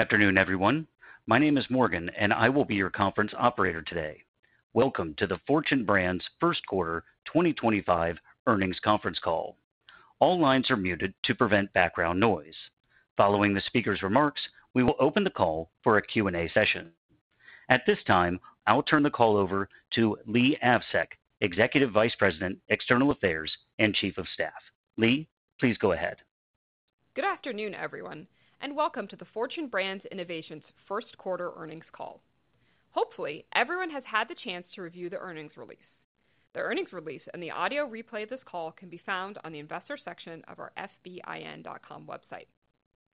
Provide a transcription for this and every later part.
Afternoon, everyone. My name is Morgan, and I will be your conference operator today. Welcome to the Fortune Brands first quarter 2025 earnings conference call. All lines are muted to prevent background noise. Following the speaker's remarks, we will open the call for a Q&A session. At this time, I'll turn the call over to Leigh Avsec, Executive Vice President, External Affairs, and Chief of Staff. Leigh, please go ahead. Good afternoon, everyone, and welcome to the Fortune Brands Innovations first quarter earnings call. Hopefully, everyone has had the chance to review the earnings release. The earnings release and the audio replay of this call can be found on the investor section of our fbin.com website.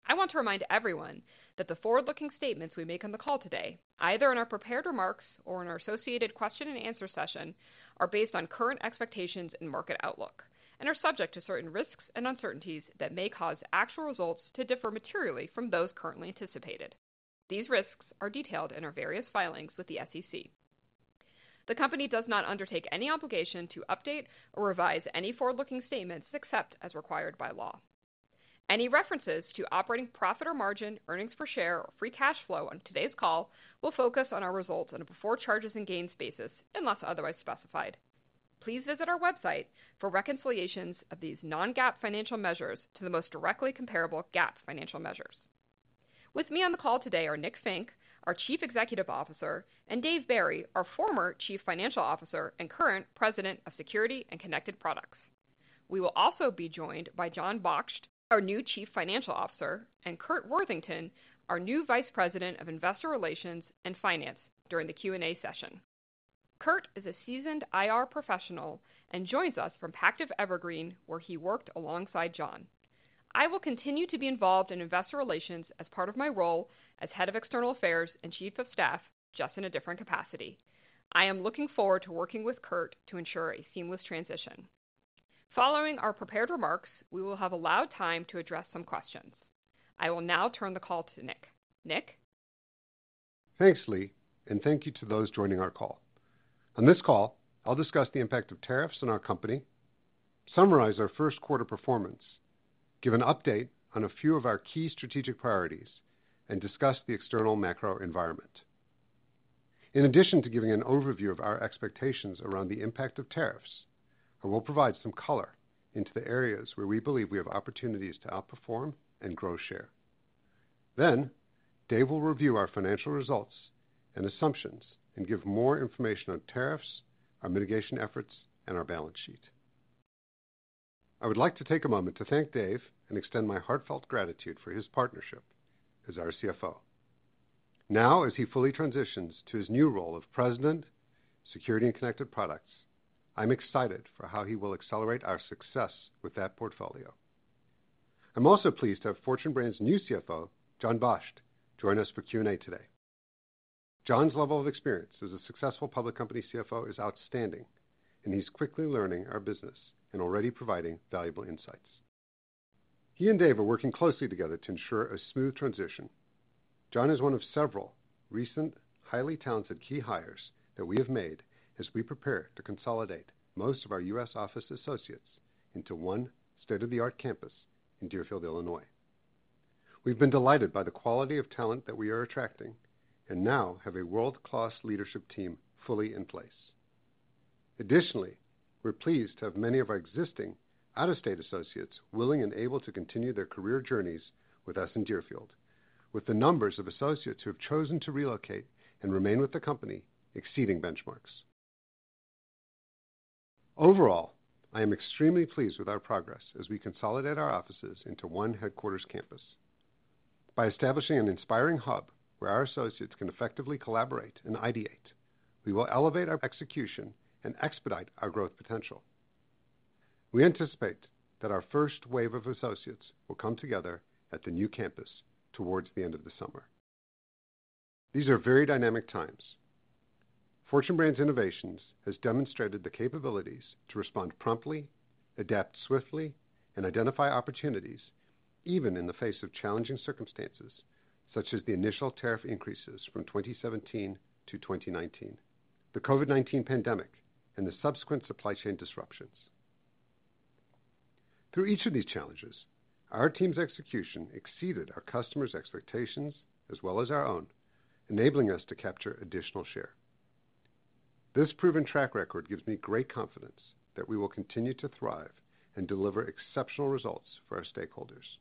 I want to remind everyone that the forward-looking statements we make on the call today, either in our prepared remarks or in our associated question-and-answer session, are based on current expectations and market outlook, and are subject to certain risks and uncertainties that may cause actual results to differ materially from those currently anticipated. These risks are detailed in our various filings with the SEC. The company does not undertake any obligation to update or revise any forward-looking statements except as required by law. Any references to operating profit or margin, earnings per share, or free cash flow on today's call will focus on our results on a before charges and gains basis unless otherwise specified. Please visit our website for reconciliations of these non-GAAP financial measures to the most directly comparable GAAP financial measures. With me on the call today are Nick Fink, our Chief Executive Officer, and Dave Barry, our former Chief Financial Officer and current President of Security and Connected Products. We will also be joined by John Baksht, our new Chief Financial Officer, and Curt Worthington, our new Vice President of Investor Relations and Finance, during the Q&A session. Curt is a seasoned IR professional and joins us from Pactiv Evergreen, where he worked alongside John. I will continue to be involved in investor relations as part of my role as Head of External Affairs and Chief of Staff, just in a different capacity. I am looking forward to working with Curt to ensure a seamless transition. Following our prepared remarks, we will have allowed time to address some questions. I will now turn the call to Nick. Nick? Thanks, Leigh, and thank you to those joining our call. On this call, I'll discuss the impact of tariffs on our company, summarize our first quarter performance, give an update on a few of our key strategic priorities, and discuss the external macro environment. In addition to giving an overview of our expectations around the impact of tariffs, I will provide some color into the areas where we believe we have opportunities to outperform and grow share. Then, Dave will review our financial results and assumptions and give more information on tariffs, our mitigation efforts, and our balance sheet. I would like to take a moment to thank Dave and extend my heartfelt gratitude for his partnership as our CFO. Now, as he fully transitions to his new role of President, Security and Connected Products, I'm excited for how he will accelerate our success with that portfolio. I'm also pleased to have Fortune Brands' new CFO, John Baksht, join us for Q&A today. John's level of experience as a successful public company CFO is outstanding, and he's quickly learning our business and already providing valuable insights. He and Dave are working closely together to ensure a smooth transition. John is one of several recent, highly talented key hires that we have made as we prepare to consolidate most of our U.S. office associates into one state-of-the-art campus in Deerfield, Illinois. We've been delighted by the quality of talent that we are attracting and now have a world-class leadership team fully in place. Additionally, we're pleased to have many of our existing out-of-state associates willing and able to continue their career journeys with us in Deerfield, with the numbers of associates who have chosen to relocate and remain with the company exceeding benchmarks. Overall, I am extremely pleased with our progress as we consolidate our offices into one headquarters campus. By establishing an inspiring hub where our associates can effectively collaborate and ideate, we will elevate our execution and expedite our growth potential. We anticipate that our first wave of associates will come together at the new campus towards the end of the summer. These are very dynamic times. Fortune Brands Innovations has demonstrated the capabilities to respond promptly, adapt swiftly, and identify opportunities even in the face of challenging circumstances such as the initial tariff increases from 2017 to 2019, the COVID-19 pandemic, and the subsequent supply chain disruptions. Through each of these challenges, our team's execution exceeded our customers' expectations as well as our own, enabling us to capture additional share. This proven track record gives me great confidence that we will continue to thrive and deliver exceptional results for our stakeholders.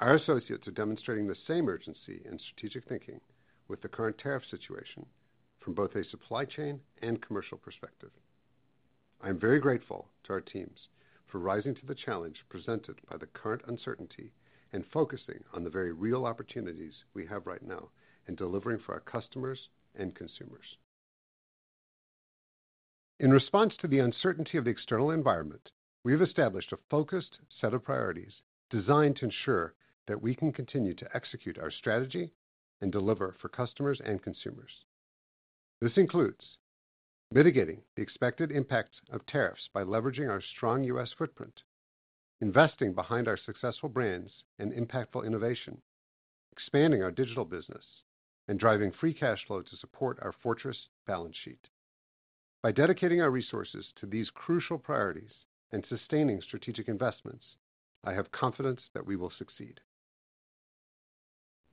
Our associates are demonstrating the same urgency and strategic thinking with the current tariff situation from both a supply chain and commercial perspective. I'm very grateful to our teams for rising to the challenge presented by the current uncertainty and focusing on the very real opportunities we have right now and delivering for our customers and consumers. In response to the uncertainty of the external environment, we have established a focused set of priorities designed to ensure that we can continue to execute our strategy and deliver for customers and consumers. This includes mitigating the expected impacts of tariffs by leveraging our strong U.S. footprint, investing behind our successful brands and impactful innovation, expanding our digital business, and driving free cash flow to support our fortress balance sheet. By dedicating our resources to these crucial priorities and sustaining strategic investments, I have confidence that we will succeed.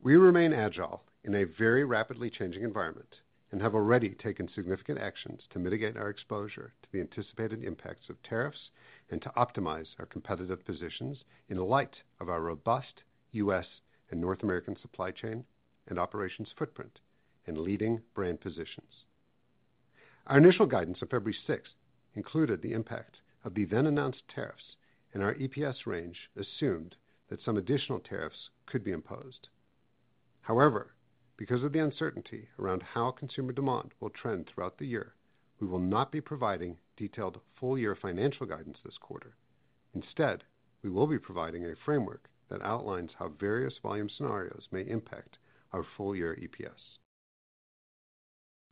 We remain agile in a very rapidly changing environment and have already taken significant actions to mitigate our exposure to the anticipated impacts of tariffs and to optimize our competitive positions in light of our robust U.S. and North American supply chain and operations footprint and leading brand positions. Our initial guidance on February 6th included the impact of the then-announced tariffs, and our EPS range assumed that some additional tariffs could be imposed. However, because of the uncertainty around how consumer demand will trend throughout the year, we will not be providing detailed full-year financial guidance this quarter. Instead, we will be providing a framework that outlines how various volume scenarios may impact our full-year EPS.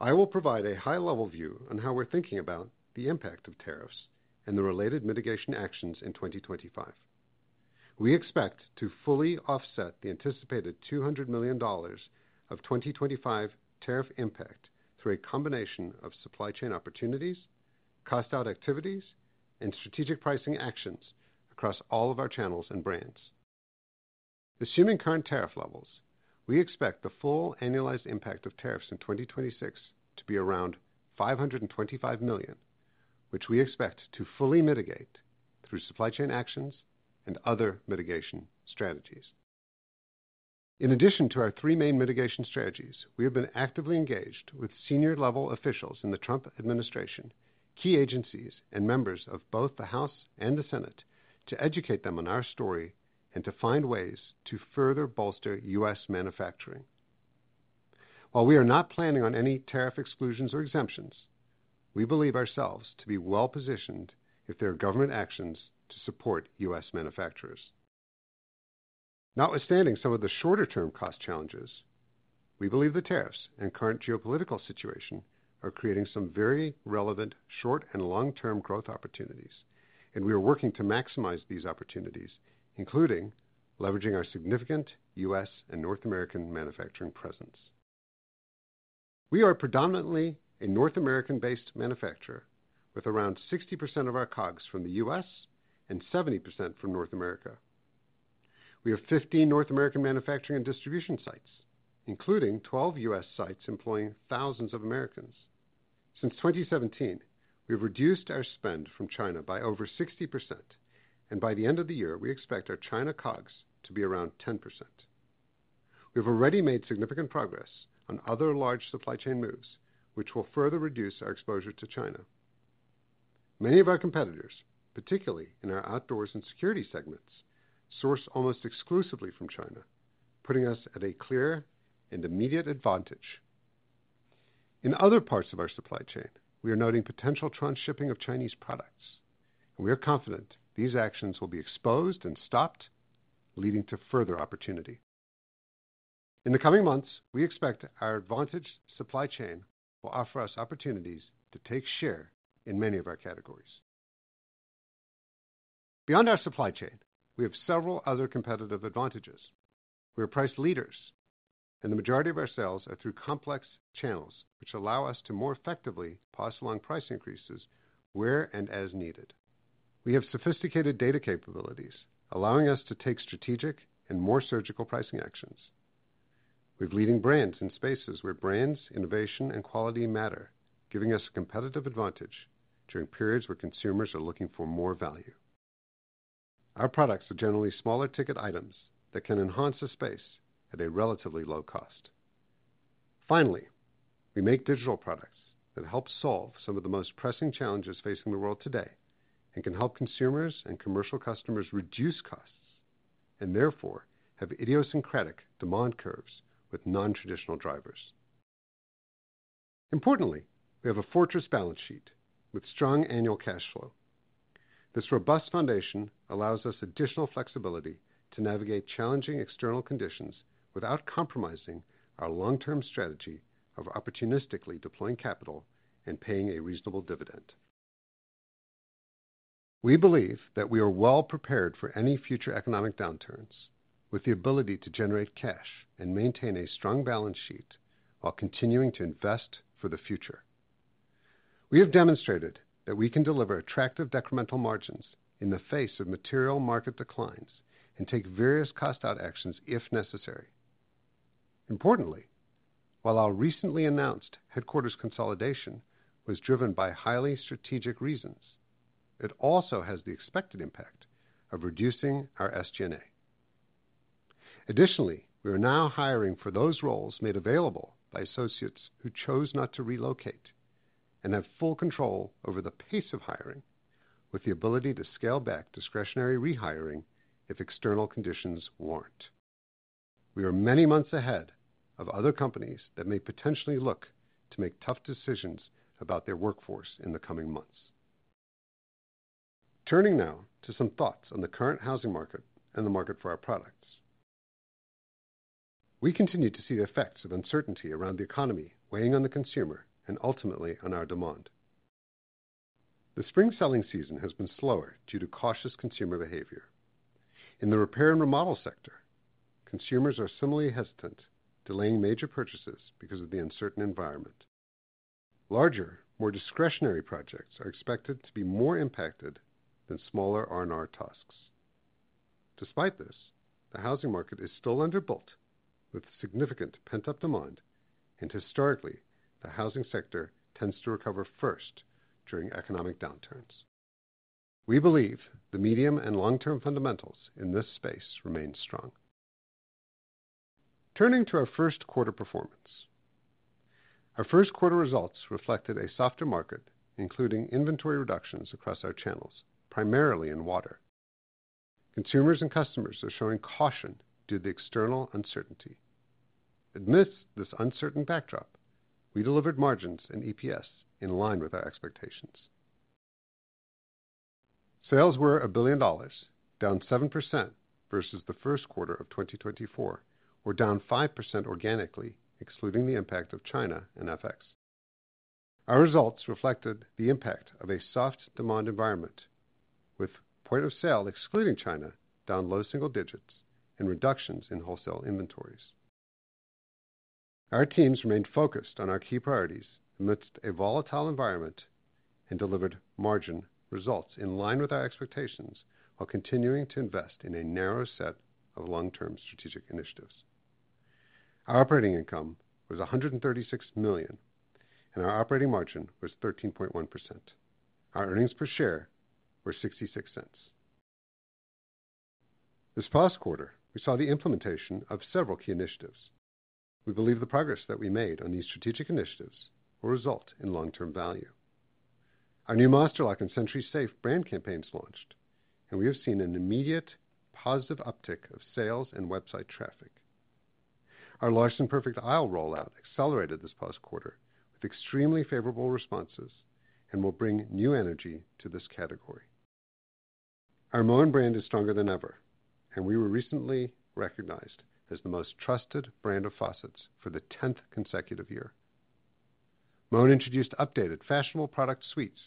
I will provide a high-level view on how we're thinking about the impact of tariffs and the related mitigation actions in 2025. We expect to fully offset the anticipated $200 million of 2025 tariff impact through a combination of supply chain opportunities, cost-out activities, and strategic pricing actions across all of our channels and brands. Assuming current tariff levels, we expect the full annualized impact of tariffs in 2026 to be around $525 million, which we expect to fully mitigate through supply chain actions and other mitigation strategies. In addition to our three main mitigation strategies, we have been actively engaged with senior-level officials in the Trump administration, key agencies, and members of both the House and the Senate to educate them on our story and to find ways to further bolster U.S. manufacturing. While we are not planning on any tariff exclusions or exemptions, we believe ourselves to be well-positioned if there are government actions to support U.S. manufacturers. Notwithstanding some of the shorter-term cost challenges, we believe the tariffs and current geopolitical situation are creating some very relevant short and long-term growth opportunities, and we are working to maximize these opportunities, including leveraging our significant U.S. and North American manufacturing presence. We are predominantly a North American-based manufacturer with around 60% of our COGS from the U.S. and 70% from North America. We have 15 North American manufacturing and distribution sites, including 12 U.S. sites employing thousands of Americans. Since 2017, we have reduced our spend from China by over 60%, and by the end of the year, we expect our China COGS to be around 10%. We have already made significant progress on other large supply chain moves, which will further reduce our exposure to China. Many of our competitors, particularly in our Outdoors and Security segments, source almost exclusively from China, putting us at a clear and immediate advantage. In other parts of our supply chain, we are noting potential transshipping of Chinese products, and we are confident these actions will be exposed and stopped, leading to further opportunity. In the coming months, we expect our advantaged supply chain will offer us opportunities to take share in many of our categories. Beyond our supply chain, we have several other competitive advantages. We are price leaders, and the majority of our sales are through complex channels, which allow us to more effectively pass along price increases where and as needed. We have sophisticated data capabilities, allowing us to take strategic and more surgical pricing actions. We have leading brands in spaces where brands, innovation, and quality matter, giving us a competitive advantage during periods where consumers are looking for more value. Our products are generally smaller ticket items that can enhance the space at a relatively low cost. Finally, we make digital products that help solve some of the most pressing challenges facing the world today and can help consumers and commercial customers reduce costs and therefore have idiosyncratic demand curves with non-traditional drivers. Importantly, we have a fortress balance sheet with strong annual cash flow. This robust foundation allows us additional flexibility to navigate challenging external conditions without compromising our long-term strategy of opportunistically deploying capital and paying a reasonable dividend. We believe that we are well-prepared for any future economic downturns with the ability to generate cash and maintain a strong balance sheet while continuing to invest for the future. We have demonstrated that we can deliver attractive decremental margins in the face of material market declines and take various cost-out actions if necessary. Importantly, while our recently announced headquarters consolidation was driven by highly strategic reasons, it also has the expected impact of reducing our SG&A. Additionally, we are now hiring for those roles made available by associates who chose not to relocate and have full control over the pace of hiring, with the ability to scale back discretionary rehiring if external conditions warrant. We are many months ahead of other companies that may potentially look to make tough decisions about their workforce in the coming months. Turning now to some thoughts on the current housing market and the market for our products. We continue to see the effects of uncertainty around the economy weighing on the consumer and ultimately on our demand. The spring selling season has been slower due to cautious consumer behavior. In the repair and remodel sector, consumers are similarly hesitant, delaying major purchases because of the uncertain environment. Larger, more discretionary projects are expected to be more impacted than smaller R&R tasks. Despite this, the housing market is still underbuilt, with significant pent-up demand, and historically, the housing sector tends to recover first during economic downturns. We believe the medium and long-term fundamentals in this space remain strong. Turning to our first quarter performance. Our first quarter results reflected a softer market, including inventory reductions across our channels, primarily in water. Consumers and customers are showing caution due to the external uncertainty. Amidst this uncertain backdrop, we delivered margins and EPS in line with our expectations. Sales were $1 billion, down 7% versus the first quarter of 2024, or down 5% organically, excluding the impact of China and FX. Our results reflected the impact of a soft demand environment, with point of sale excluding China down low single digits and reductions in wholesale inventories. Our teams remained focused on our key priorities amidst a volatile environment and delivered margin results in line with our expectations while continuing to invest in a narrow set of long-term strategic initiatives. Our operating income was $136 million, and our operating margin was 13.1%. Our earnings per share were $0.66. This past quarter, we saw the implementation of several key initiatives. We believe the progress that we made on these strategic initiatives will result in long-term value. Our new Master Lock and SentrySafe brand campaigns launched, and we have seen an immediate positive uptick of sales and website traffic. Our Larson Perfect Aisle rollout accelerated this past quarter with extremely favorable responses and will bring new energy to this category. Our Moen brand is stronger than ever, and we were recently recognized as the most trusted brand of faucets for the 10th consecutive year. Moen introduced updated fashionable product suites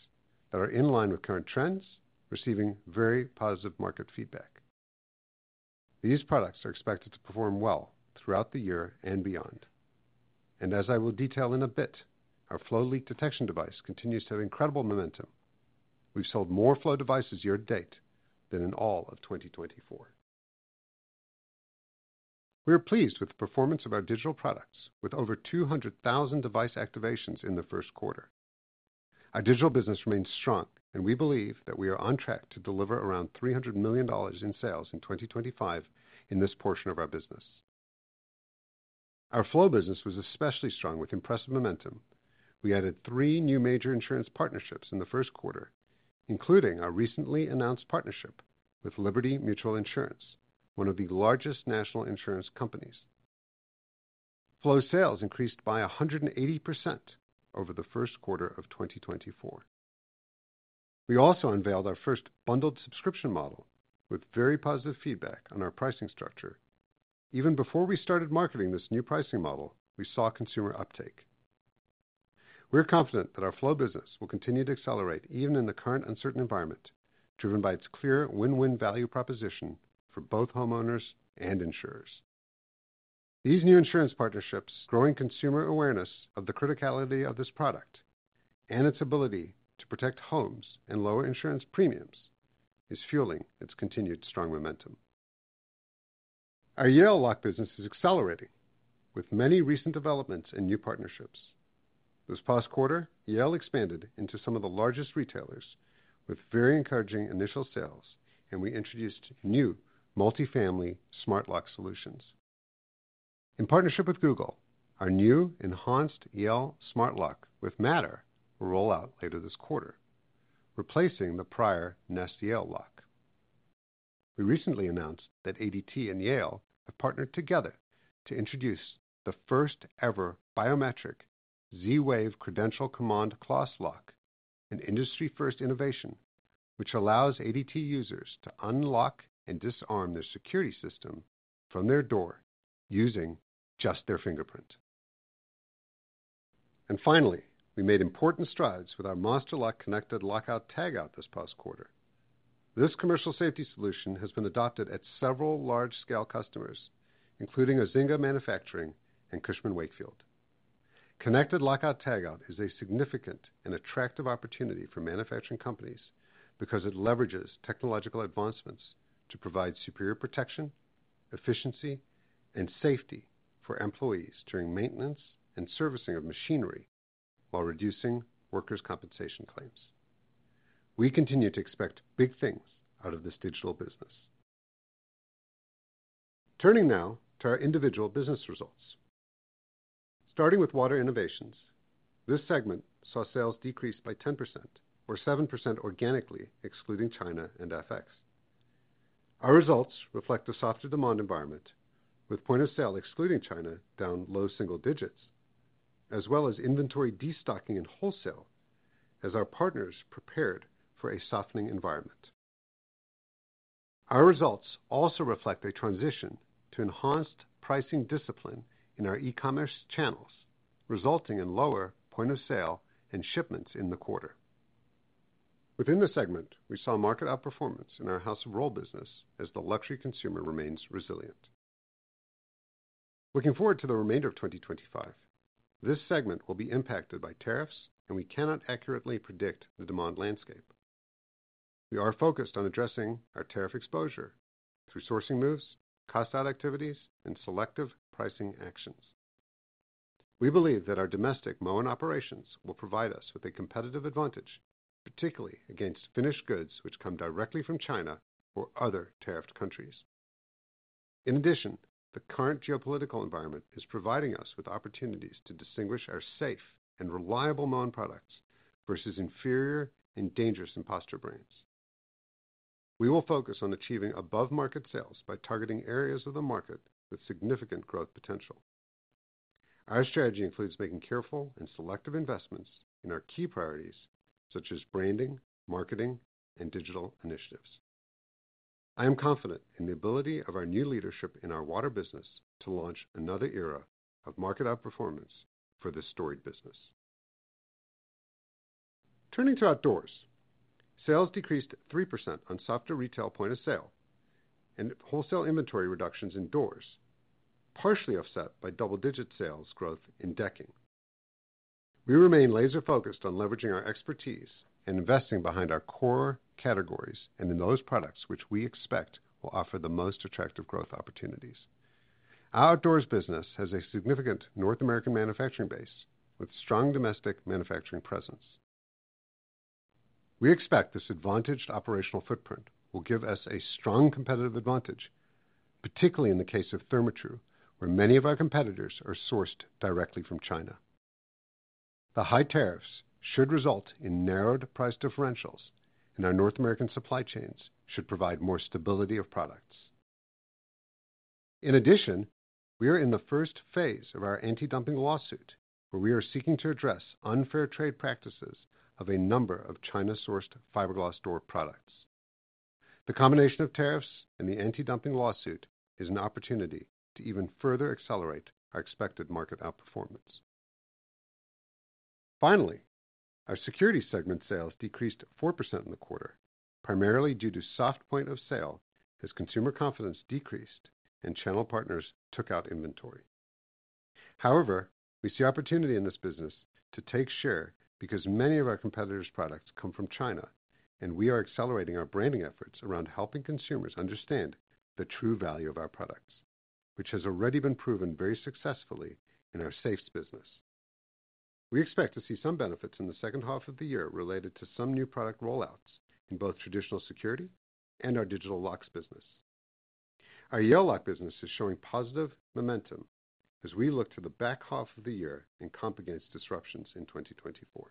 that are in line with current trends, receiving very positive market feedback. These products are expected to perform well throughout the year and beyond. As I will detail in a bit, our Flo leak detection device continues to have incredible momentum. We've sold more Flo devices year-to-date than in all of 2024. We are pleased with the performance of our digital products, with over 200,000 device activations in the first quarter. Our digital business remains strong, and we believe that we are on track to deliver around $300 million in sales in 2025 in this portion of our business. Our Flo business was especially strong with impressive momentum. We added three new major insurance partnerships in the first quarter, including our recently announced partnership with Liberty Mutual Insurance, one of the largest national insurance companies. Flo sales increased by 180% over the first quarter of 2024. We also unveiled our first bundled subscription model with very positive feedback on our pricing structure. Even before we started marketing this new pricing model, we saw consumer uptake. We're confident that our Flo business will continue to accelerate even in the current uncertain environment, driven by its clear win-win value proposition for both homeowners and insurers. These new insurance partnerships, growing consumer awareness of the criticality of this product and its ability to protect homes and lower insurance premiums, is fueling its continued strong momentum. Our Yale Lock business is accelerating with many recent developments and new partnerships. This past quarter, Yale expanded into some of the largest retailers with very encouraging initial sales, and we introduced new multifamily smart lock solutions. In partnership with Google, our new enhanced Yale Smart Lock with Matter will roll out later this quarter, replacing the prior Nest Yale Lock. We recently announced that ADT and Yale have partnered together to introduce the first-ever biometric Z-Wave Credential Command Class Lock, an industry-first innovation, which allows ADT users to unlock and disarm their security system from their door using just their fingerprint. Finally, we made important strides with our Master Lock connected lockout tagout this past quarter. This commercial safety solution has been adopted at several large-scale customers, including Azinga Manufacturing and Cushman & Wakefield. Connected lockout tagout is a significant and attractive opportunity for manufacturing companies because it leverages technological advancements to provide superior protection, efficiency, and safety for employees during maintenance and servicing of machinery while reducing workers' compensation claims. We continue to expect big things out of this digital business. Turning now to our individual business results. Starting with Water Innovations, this segment saw sales decrease by 10%, or 7% organically, excluding China and FX. Our results reflect a softer demand environment, with point of sale excluding China down low single digits, as well as inventory destocking in wholesale as our partners prepared for a softening environment. Our results also reflect a transition to enhanced pricing discipline in our e-commerce channels, resulting in lower point of sale and shipments in the quarter. Within the segment, we saw market outperformance in our House of Rohl business as the luxury consumer remains resilient. Looking forward to the remainder of 2025, this segment will be impacted by tariffs, and we cannot accurately predict the demand landscape. We are focused on addressing our tariff exposure through sourcing moves, cost-out activities, and selective pricing actions. We believe that our domestic Moen operations will provide us with a competitive advantage, particularly against finished goods which come directly from China or other tariffed countries. In addition, the current geopolitical environment is providing us with opportunities to distinguish our safe and reliable Moen products versus inferior and dangerous imposter brands. We will focus on achieving above-market sales by targeting areas of the market with significant growth potential. Our strategy includes making careful and selective investments in our key priorities, such as branding, marketing, and digital initiatives. I am confident in the ability of our new leadership in our water business to launch another era of market outperformance for this storied business. Turning to Outdoors, sales decreased 3% on softer retail point of sale and wholesale inventory reductions indoors, partially offset by double-digit sales growth in decking. We remain laser-focused on leveraging our expertise and investing behind our core categories and in those products which we expect will offer the most attractive growth opportunities. Our Outdoors business has a significant North American manufacturing base with strong domestic manufacturing presence. We expect this advantaged operational footprint will give us a strong competitive advantage, particularly in the case of Therma-Tru, where many of our competitors are sourced directly from China. The high tariffs should result in narrowed price differentials, and our North American supply chains should provide more stability of products. In addition, we are in the first phase of our anti-dumping lawsuit, where we are seeking to address unfair trade practices of a number of China-sourced fiberglass door products. The combination of tariffs and the anti-dumping lawsuit is an opportunity to even further accelerate our expected market outperformance. Finally, our Security segment sales decreased 4% in the quarter, primarily due to soft point of sale as consumer confidence decreased and channel partners took out inventory. However, we see opportunity in this business to take share because many of our competitors' products come from China, and we are accelerating our branding efforts around helping consumers understand the true value of our products, which has already been proven very successfully in our safes business. We expect to see some benefits in the second half of the year related to some new product rollouts in both traditional security and our digital locks business. Our Yale Lock business is showing positive momentum as we look to the back half of the year and comp against disruptions in 2024.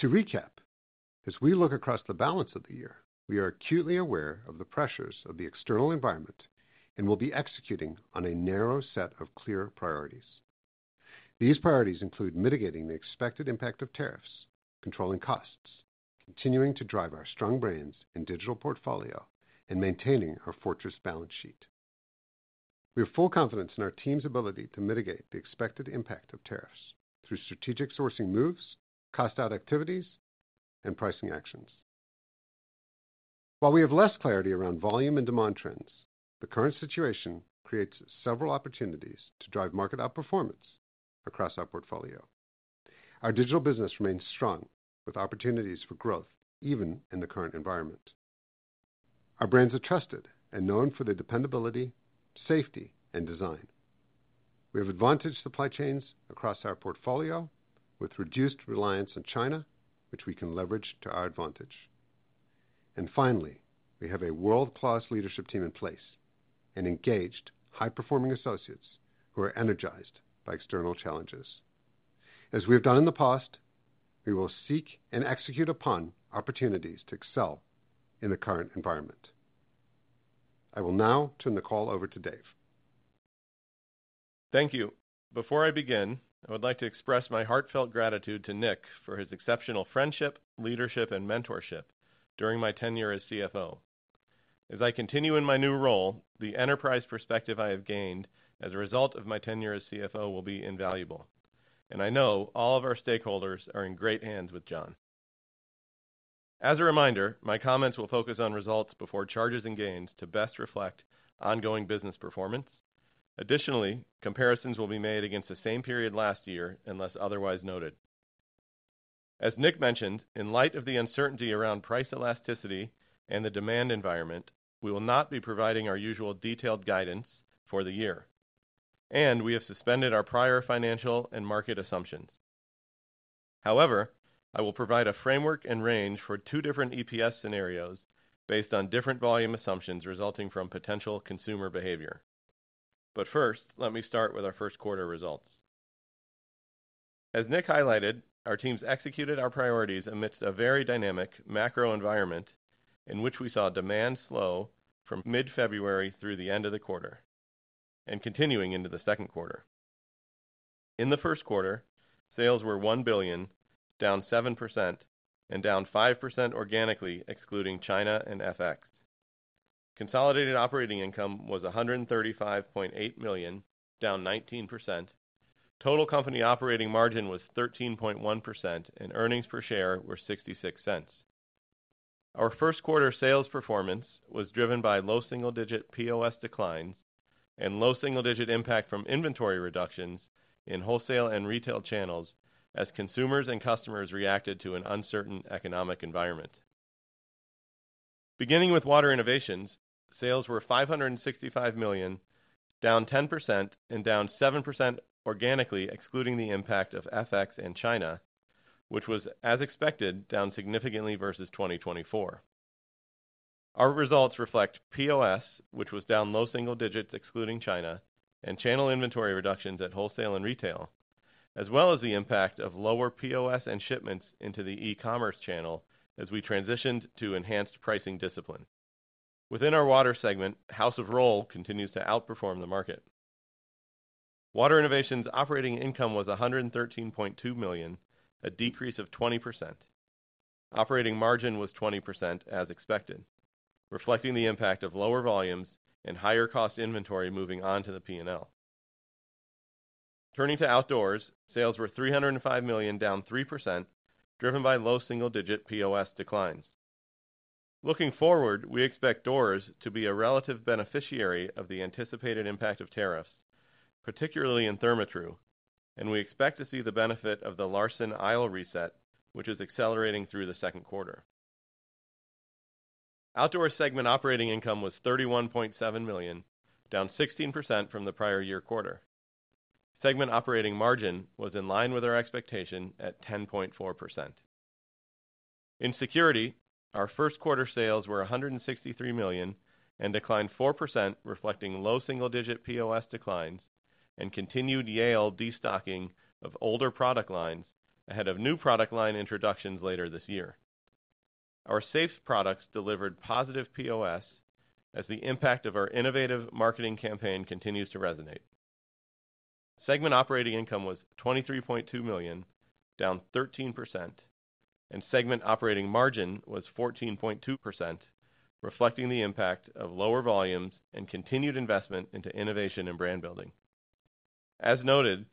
To recap, as we look across the balance of the year, we are acutely aware of the pressures of the external environment and will be executing on a narrow set of clear priorities. These priorities include mitigating the expected impact of tariffs, controlling costs, continuing to drive our strong brands and digital portfolio, and maintaining our fortress balance sheet. We have full confidence in our team's ability to mitigate the expected impact of tariffs through strategic sourcing moves, cost-out activities, and pricing actions. While we have less clarity around volume and demand trends, the current situation creates several opportunities to drive market outperformance across our portfolio. Our digital business remains strong with opportunities for growth even in the current environment. Our brands are trusted and known for their dependability, safety, and design. We have advantaged supply chains across our portfolio with reduced reliance on China, which we can leverage to our advantage. Finally, we have a world-class leadership team in place and engaged, high-performing associates who are energized by external challenges. As we have done in the past, we will seek and execute upon opportunities to excel in the current environment. I will now turn the call over to Dave. Thank you. Before I begin, I would like to express my heartfelt gratitude to Nick for his exceptional friendship, leadership, and mentorship during my tenure as CFO. As I continue in my new role, the enterprise perspective I have gained as a result of my tenure as CFO will be invaluable. I know all of our stakeholders are in great hands with John. As a reminder, my comments will focus on results before charges and gains to best reflect ongoing business performance. Additionally, comparisons will be made against the same period last year unless otherwise noted. As Nick mentioned, in light of the uncertainty around price elasticity and the demand environment, we will not be providing our usual detailed guidance for the year. We have suspended our prior financial and market assumptions. However, I will provide a framework and range for two different EPS scenarios based on different volume assumptions resulting from potential consumer behavior. First, let me start with our first quarter results. As Nick highlighted, our teams executed our priorities amidst a very dynamic macro environment in which we saw demand slow from mid-February through the end of the quarter and continuing into the second quarter. In the first quarter, sales were $1 billion, down 7%, and down 5% organically, excluding China and FX. Consolidated operating income was $135.8 million, down 19%. Total company operating margin was 13.1%, and earnings per share were $0.66. Our first quarter sales performance was driven by low single-digit POS declines and low single-digit impact from inventory reductions in wholesale and retail channels as consumers and customers reacted to an uncertain economic environment. Beginning with Water Innovations, sales were $565 million, down 10%, and down 7% organically, excluding the impact of FX and China, which was, as expected, down significantly versus 2024. Our results reflect POS, which was down low single digits, excluding China, and channel inventory reductions at wholesale and retail, as well as the impact of lower POS and shipments into the e-commerce channel as we transitioned to enhanced pricing discipline. Within our Water segment, House of Rohl continues to outperform the market. Water Innovations operating income was $113.2 million, a decrease of 20%. Operating margin was 20%, as expected, reflecting the impact of lower volumes and higher cost inventory moving on to the P&L. Turning to Outdoors, sales were $305 million, down 3%, driven by low single-digit POS declines. Looking forward, we expect doors to be a relative beneficiary of the anticipated impact of tariffs, particularly in Therma-Tru, and we expect to see the benefit of the Larson Isle reset, which is accelerating through the second quarter. Outdoor segment operating income was $31.7 million, down 16% from the prior year quarter. Segment operating margin was in line with our expectation at 10.4%. In Security, our first quarter sales were $163 million and declined 4%, reflecting low single-digit POS declines and continued Yale destocking of older product lines ahead of new product line introductions later this year. Our safes products delivered positive POS as the impact of our innovative marketing campaign continues to resonate. Segment operating income was $23.2 million, down 13%, and segment operating margin was 14.2%, reflecting the impact of lower volumes and continued investment into innovation and brand building. As noted,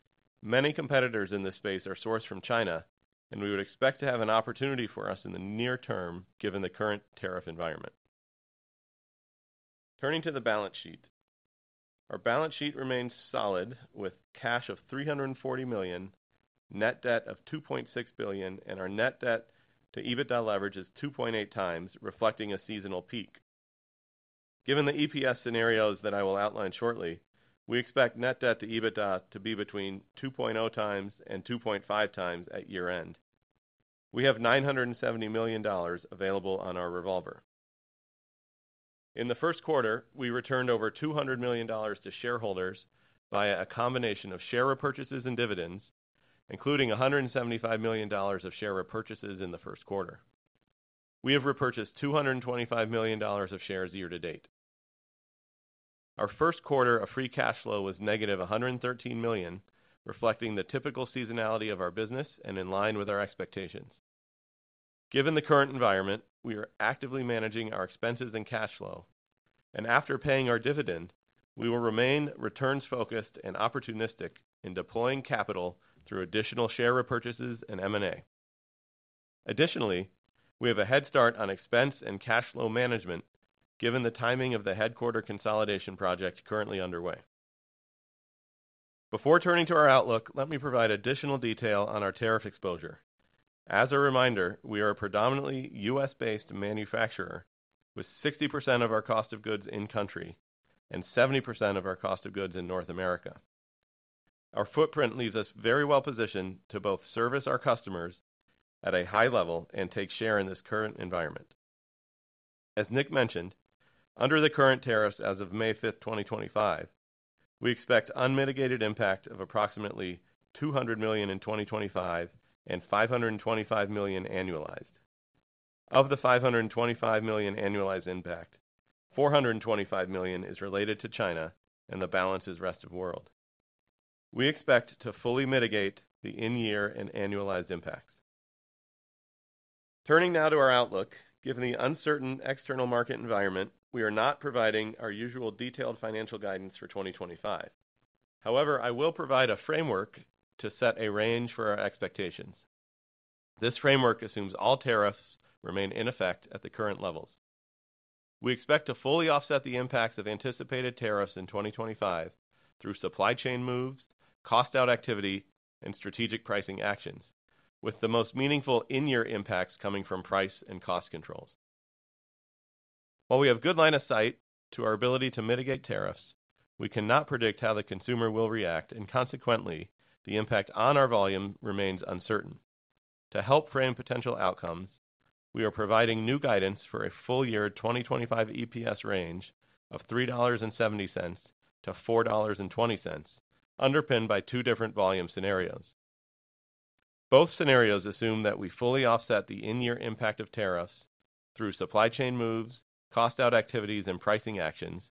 many competitors in this space are sourced from China, and we would expect to have an opportunity for us in the near term given the current tariff environment. Turning to the balance sheet, our balance sheet remains solid with cash of $340 million, net debt of $2.6 billion, and our net debt to EBITDA leverage is 2.8x, reflecting a seasonal peak. Given the EPS scenarios that I will outline shortly, we expect net debt to EBITDA to be between 2.0x and 2.5x at year-end. We have $970 million available on our revolver. In the first quarter, we returned over $200 million to shareholders via a combination of share repurchases and dividends, including $175 million of share repurchases in the first quarter. We have repurchased $225 million of shares year-to-date. Our first quarter of free cash flow was negative $113 million, reflecting the typical seasonality of our business and in line with our expectations. Given the current environment, we are actively managing our expenses and cash flow. After paying our dividend, we will remain returns-focused and opportunistic in deploying capital through additional share repurchases and M&A. Additionally, we have a head start on expense and cash flow management given the timing of the headquarter consolidation project currently underway. Before turning to our outlook, let me provide additional detail on our tariff exposure. As a reminder, we are a predominantly U.S.-based manufacturer with 60% of our cost of goods in country and 70% of our cost of goods in North America. Our footprint leaves us very well positioned to both service our customers at a high level and take share in this current environment. As Nick mentioned, under the current tariffs as of May 5th, 2025, we expect unmitigated impact of approximately $200 million in 2025 and $525 million annualized. Of the $525 million annualized impact, $425 million is related to China and the balance is rest of world. We expect to fully mitigate the in-year and annualized impacts. Turning now to our outlook, given the uncertain external market environment, we are not providing our usual detailed financial guidance for 2025. However, I will provide a framework to set a range for our expectations. This framework assumes all tariffs remain in effect at the current levels. We expect to fully offset the impacts of anticipated tariffs in 2025 through supply chain moves, cost-out activity, and strategic pricing actions, with the most meaningful in-year impacts coming from price and cost controls. While we have good line of sight to our ability to mitigate tariffs, we cannot predict how the consumer will react, and consequently, the impact on our volume remains uncertain. To help frame potential outcomes, we are providing new guidance for a full-year 2025 EPS range of $3.70-$4.20, underpinned by two different volume scenarios. Both scenarios assume that we fully offset the in-year impact of tariffs through supply chain moves, cost-out activities, and pricing actions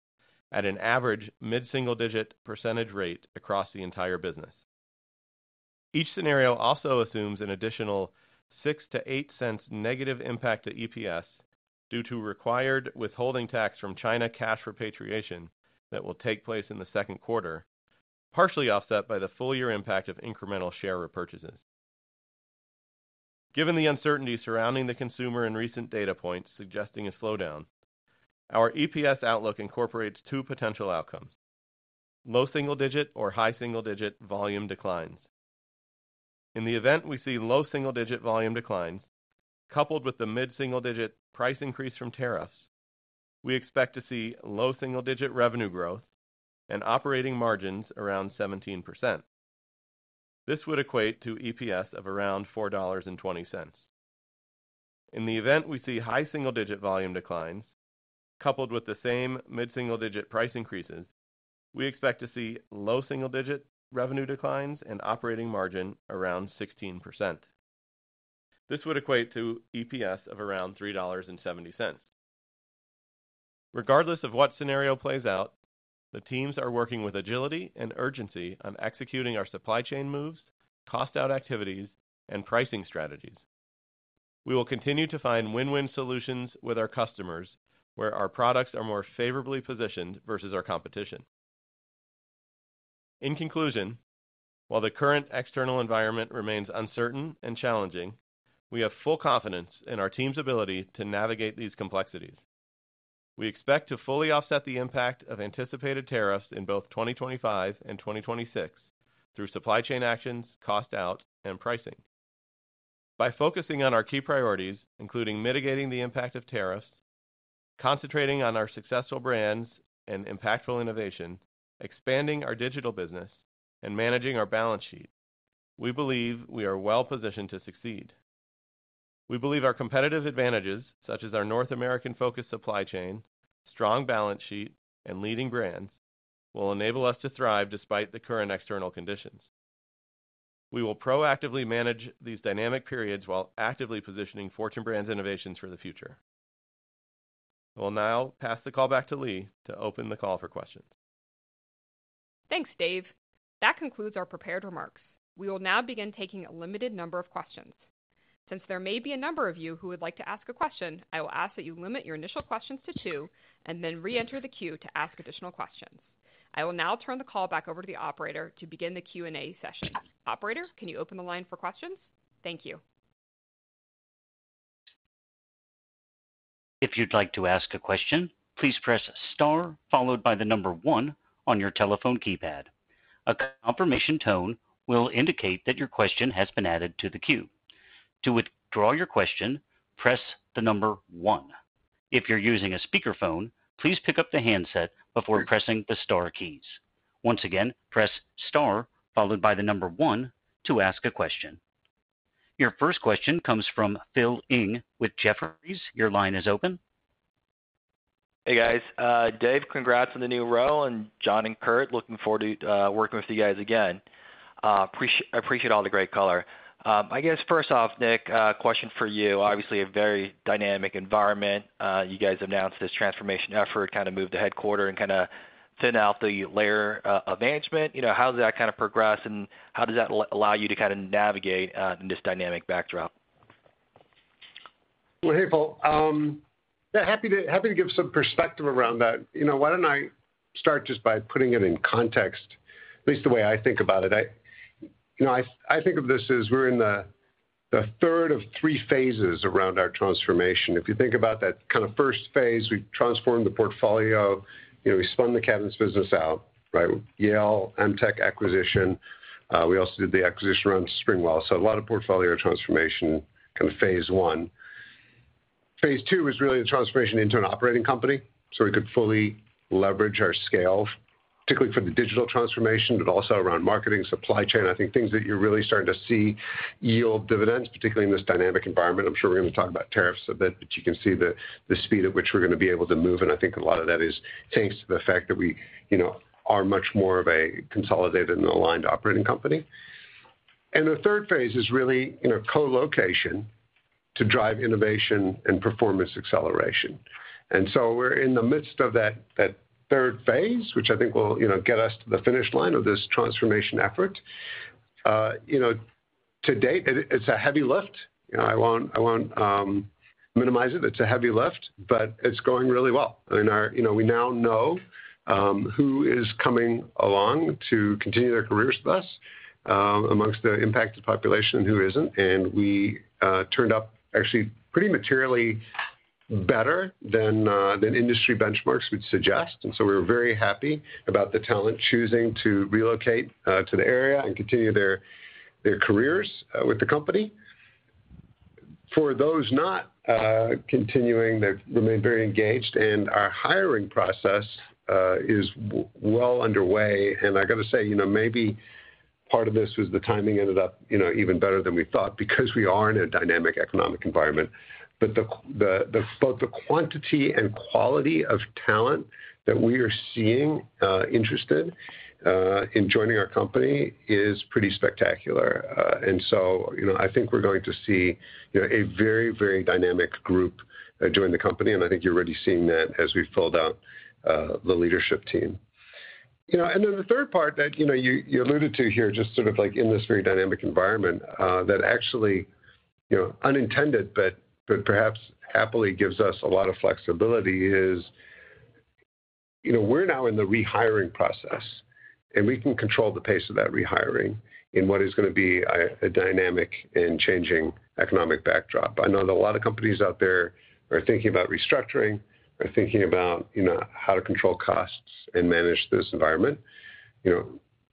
at an average mid-single-digit percentage rate across the entire business. Each scenario also assumes an additional $0.06-$0.08 negative impact to EPS due to required withholding tax from China cash repatriation that will take place in the second quarter, partially offset by the full-year impact of incremental share repurchases. Given the uncertainty surrounding the consumer and recent data points suggesting a slowdown, our EPS outlook incorporates two potential outcomes: low single-digit or high single-digit volume declines. In the event we see low single-digit volume declines, coupled with the mid-single-digit price increase from tariffs, we expect to see low single-digit revenue growth and operating margins around 17%. This would equate to EPS of around $4.20. In the event we see high single-digit volume declines, coupled with the same mid-single-digit price increases, we expect to see low single-digit revenue declines and operating margin around 16%. This would equate to EPS of around $3.70. Regardless of what scenario plays out, the teams are working with agility and urgency on executing our supply chain moves, cost-out activities, and pricing strategies. We will continue to find win-win solutions with our customers where our products are more favorably positioned versus our competition. In conclusion, while the current external environment remains uncertain and challenging, we have full confidence in our team's ability to navigate these complexities. We expect to fully offset the impact of anticipated tariffs in both 2025 and 2026 through supply chain actions, cost-out, and pricing. By focusing on our key priorities, including mitigating the impact of tariffs, concentrating on our successful brands and impactful innovation, expanding our digital business, and managing our balance sheet, we believe we are well positioned to succeed. We believe our competitive advantages, such as our North American-focused supply chain, strong balance sheet, and leading brands, will enable us to thrive despite the current external conditions. We will proactively manage these dynamic periods while actively positioning Fortune Brands Innovations for the future. I will now pass the call back to Leigh to open the call for questions. Thanks, Dave. That concludes our prepared remarks. We will now begin taking a limited number of questions. Since there may be a number of you who would like to ask a question, I will ask that you limit your initial questions to two and then re-enter the queue to ask additional questions. I will now turn the call back over to the operator to begin the Q&A session. Operator, can you open the line for questions? Thank you. If you'd like to ask a question, please press star followed by the number one on your telephone keypad. A confirmation tone will indicate that your question has been added to the queue. To withdraw your question, press the number one. If you're using a speakerphone, please pick up the handset before pressing the star keys. Once again, press star followed by the number one to ask a question. Your first question comes from Phil Ng with Jefferies. Your line is open. Hey, guys. Dave, congrats on the new role, and John and Curt. Looking forward to working with you guys again. I appreciate all the great color. I guess first off, Nick, a question for you. Obviously, a very dynamic environment. You guys announced this transformation effort, kind of moved the headquarter and kind of thinned out the layer of management. How does that kind of progress, and how does that allow you to kind of navigate in this dynamic backdrop? Hey, Paul. Happy to give some perspective around that. Why don't I start just by putting it in context, at least the way I think about it? I think of this as we're in the third of three phases around our transformation. If you think about that kind of first phase, we transformed the portfolio. We spun the cabinets business out, Yale, Amtec acquisition. We also did the acquisition around Springwell. A lot of portfolio transformation, kind of phase one. Phase two was really the transformation into an operating company so we could fully leverage our scale, particularly for the digital transformation, but also around marketing, supply chain. I think things that you're really starting to see yield dividends, particularly in this dynamic environment. I'm sure we're going to talk about tariffs a bit, but you can see the speed at which we're going to be able to move. I think a lot of that is thanks to the fact that we are much more of a consolidated and aligned operating company. The third phase is really co-location to drive innovation and performance acceleration. We are in the midst of that third phase, which I think will get us to the finish line of this transformation effort. To date, it's a heavy lift. I won't minimize it. It's a heavy lift, but it's going really well. We now know who is coming along to continue their careers with us amongst the impacted population and who isn't. We turned up actually pretty materially better than industry benchmarks would suggest. We were very happy about the talent choosing to relocate to the area and continue their careers with the company. For those not continuing, they've remained very engaged, and our hiring process is well underway. I got to say, maybe part of this was the timing ended up even better than we thought because we are in a dynamic economic environment. Both the quantity and quality of talent that we are seeing interested in joining our company is pretty spectacular. I think we're going to see a very, very dynamic group join the company. I think you're already seeing that as we've filled out the leadership team. The third part that you alluded to here, just sort of like in this very dynamic environment, that actually unintended, but perhaps happily gives us a lot of flexibility, is we're now in the rehiring process, and we can control the pace of that rehiring in what is going to be a dynamic and changing economic backdrop. I know that a lot of companies out there are thinking about restructuring, are thinking about how to control costs and manage this environment.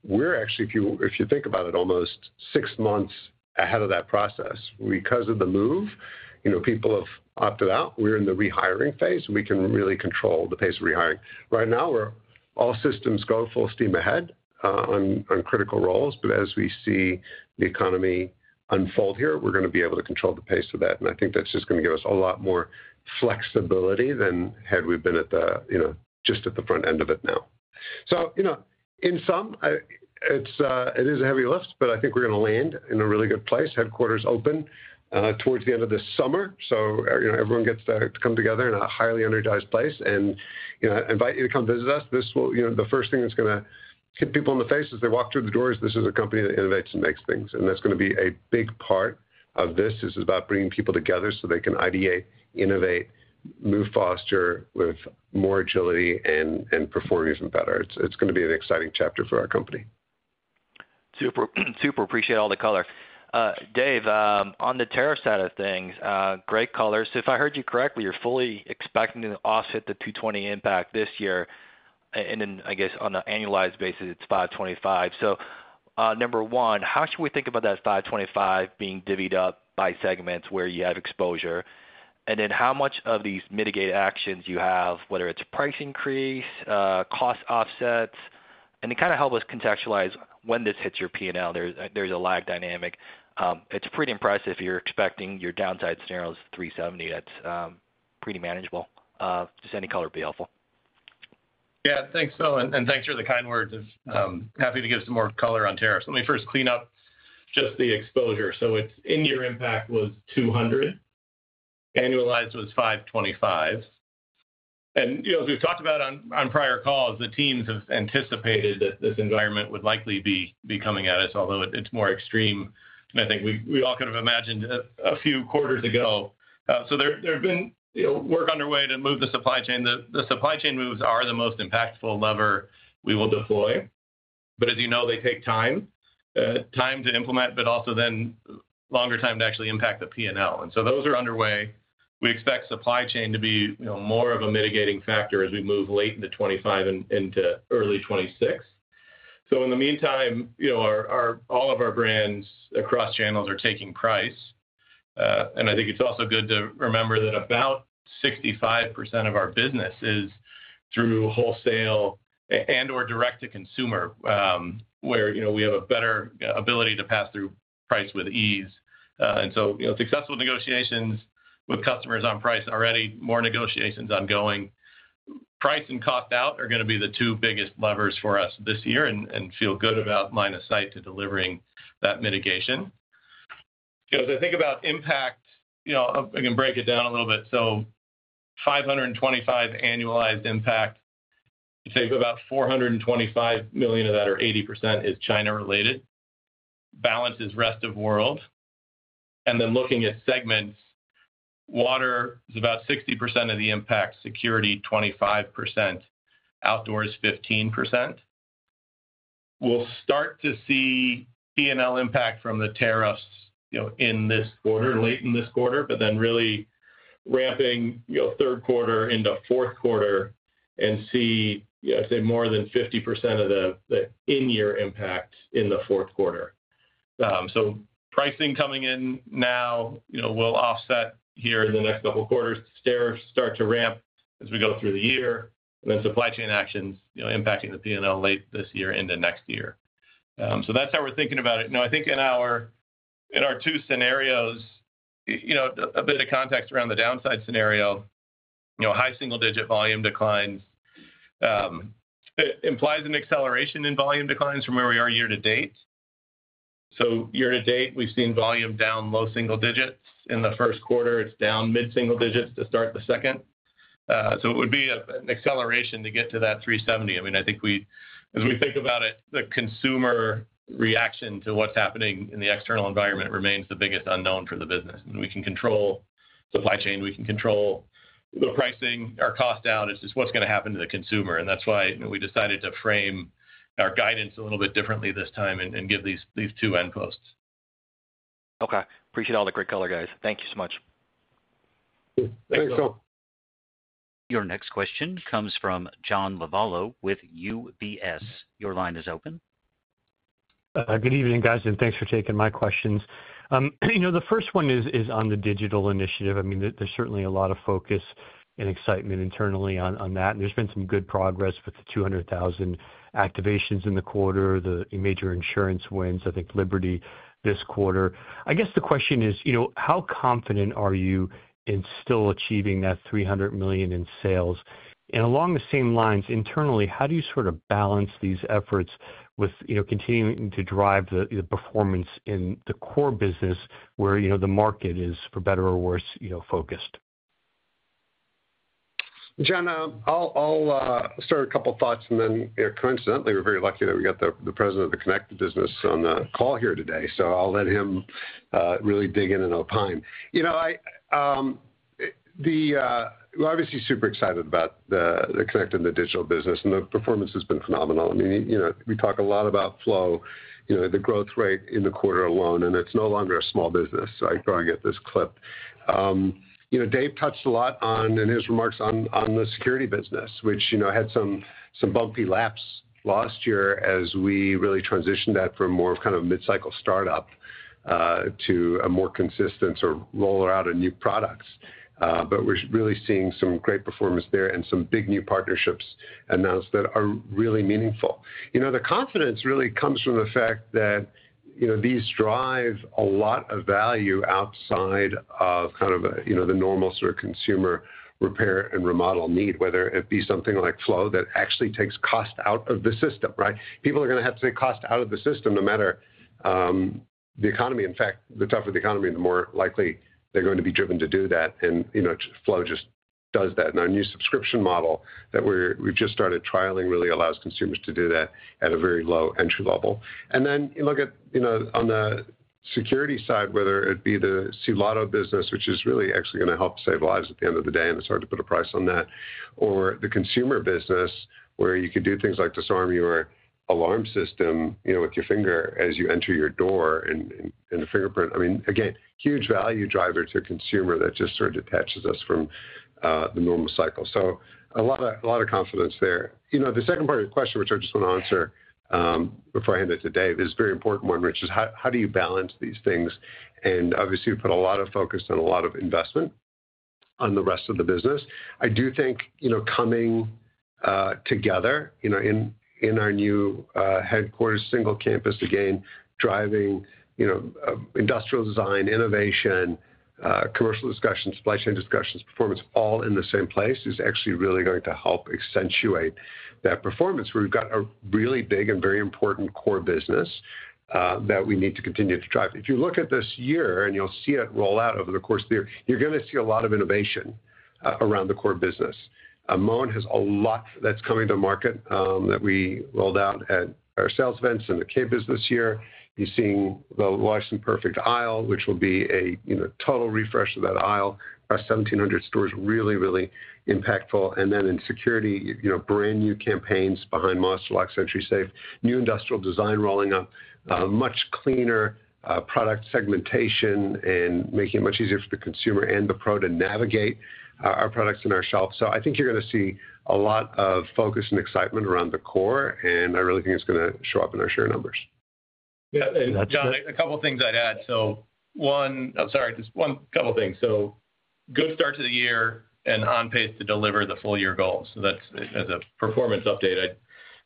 We're actually, if you think about it, almost six months ahead of that process. Because of the move, people have opted out. We're in the rehiring phase. We can really control the pace of rehiring. Right now, all systems go full steam ahead on critical roles. As we see the economy unfold here, we're going to be able to control the pace of that. I think that's just going to give us a lot more flexibility than had we been just at the front end of it now. In sum, it is a heavy lift, but I think we're going to land in a really good place. Headquarters open towards the end of this summer. Everyone gets to come together in a highly energized place and invite you to come visit us. The first thing that's going to hit people in the face as they walk through the door is this is a company that innovates and makes things. That's going to be a big part of this. This is about bringing people together so they can ideate, innovate, move faster with more agility and perform even better. It's going to be an exciting chapter for our company. Super. Super appreciate all the color. Dave, on the tariff side of things, great color. If I heard you correctly, you're fully expecting to offset the $220 million impact this year. I guess, on an annualized basis, it's $525 million. Number one, how should we think about that $525 million being divvied up by segments where you have exposure? How much of these mitigate actions you have, whether it's price increase, cost offsets, and kind of help us contextualize when this hits your P&L? There's a lag dynamic. It's pretty impressive if you're expecting your downside scenario is $370 million. That's pretty manageable. Just any color would be helpful. Yeah. Thanks, Phil. Thanks for the kind words. Happy to give some more color on tariffs. Let me first clean up just the exposure. In-year impact was $200 million. Annualized was $525 million. As we have talked about on prior calls, the teams have anticipated that this environment would likely be coming at us, although it is more extreme than I think we all could have imagined a few quarters ago. There has been work underway to move the supply chain. The supply chain moves are the most impactful lever we will deploy. As you know, they take time to implement, but also then a longer time to actually impact the P&L. Those are underway. We expect supply chain to be more of a mitigating factor as we move late into 2025 and into early 2026. In the meantime, all of our brands across channels are taking price. I think it is also good to remember that about 65% of our business is through wholesale and/or direct-to-consumer, where we have a better ability to pass through price with ease. Successful negotiations with customers on price already, more negotiations ongoing. Price and cost out are going to be the two biggest levers for us this year and feel good about line of sight to delivering that mitigation. As I think about impact, I can break it down a little bit. $525 million annualized impact, I'd say about $425 million of that, or 80%, is China-related. Balance is rest of world. Looking at segments, Water is about 60% of the impact, Security 25%, Outdoors 15%. We'll start to see P&L impact from the tariffs in this quarter, late in this quarter, but then really ramping third quarter into fourth quarter and see, I'd say, more than 50% of the in-year impact in the fourth quarter. Pricing coming in now will offset here in the next couple of quarters. Tariffs start to ramp as we go through the year, and then supply chain actions impacting the P&L late this year into next year. That is how we are thinking about it. Now, I think in our two scenarios, a bit of context around the downside scenario, high single-digit volume declines implies an acceleration in volume declines from where we are year to date. Year to date, we have seen volume down low single digits. In the first quarter, it is down mid-single digits to start the second. It would be an acceleration to get to that $370 million. I mean, I think as we think about it, the consumer reaction to what is happening in the external environment remains the biggest unknown for the business. We can control supply chain. We can control the pricing, our cost out. It is just what is going to happen to the consumer. That's why we decided to frame our guidance a little bit differently this time and give these two end posts. Okay. Appreciate all the great color, guys. Thank you so much. Thanks, Phil. Your next question comes from John Lovallo with UBS. Your line is open. Good evening, guys, and thanks for taking my questions. The first one is on the digital initiative. I mean, there's certainly a lot of focus and excitement internally on that. And there's been some good progress with the 200,000 activations in the quarter, the major insurance wins, I think, Liberty this quarter. I guess the question is, how confident are you in still achieving that $300 million in sales? And along the same lines, internally, how do you sort of balance these efforts with continuing to drive the performance in the core business where the market is, for better or worse, focused? John, I'll start a couple of thoughts, and then coincidentally, we're very lucky that we got the President of the Connected business on the call here today. I’ll let him really dig in and opine. We're obviously super excited about the Connected and the digital business, and the performance has been phenomenal. I mean, we talk a lot about Flo, the growth rate in the quarter alone, and it's no longer a small business, so I thought I'd get this clip. Dave touched a lot in his remarks on the Security business, which had some bumpy laps last year as we really transitioned that from more of kind of a mid-cycle startup to a more consistent sort of rollout of new products. We're really seeing some great performance there and some big new partnerships announced that are really meaningful. The confidence really comes from the fact that these drive a lot of value outside of kind of the normal sort of consumer repair and remodel need, whether it be something like Flo that actually takes cost out of the system, right? People are going to have to take cost out of the system no matter the economy. In fact, the tougher the economy, the more likely they're going to be driven to do that. Flo just does that. Our new subscription model that we've just started trialing really allows consumers to do that at a very low entry level. You look at on the Security side, whether it be the cLOTO business, which is really actually going to help save lives at the end of the day, and it is hard to put a price on that, or the consumer business where you could do things like disarm your alarm system with your finger as you enter your door and the fingerprint. I mean, again, huge value driver to a consumer that just sort of detaches us from the normal cycle. A lot of confidence there. The second part of your question, which I just want to answer before I hand it to Dave, is a very important one, which is how do you balance these things? Obviously, we have put a lot of focus on a lot of investment on the rest of the business. I do think coming together in our new headquarters, single campus, again, driving industrial design, innovation, commercial discussions, supply chain discussions, performance, all in the same place is actually really going to help accentuate that performance. We've got a really big and very important core business that we need to continue to drive. If you look at this year and you'll see it roll out over the course of the year, you're going to see a lot of innovation around the core business. Moen has a lot that's coming to market that we rolled out at our sales events and the campus this year. You're seeing the Larson Perfect Aisle, which will be a total refresh of that aisle. Our 1,700 stores are really, really impactful. In Security, brand new campaigns behind Master Lock and SentrySafe, new industrial design rolling up, much cleaner product segmentation, and making it much easier for the consumer and the pro to navigate our products and our shelf. I think you are going to see a lot of focus and excitement around the core, and I really think it is going to show up in our share numbers. Yeah. John, a couple of things I would add. One, I am sorry, just a couple of things. Good start to the year and on pace to deliver the full-year goals. That is as a performance update.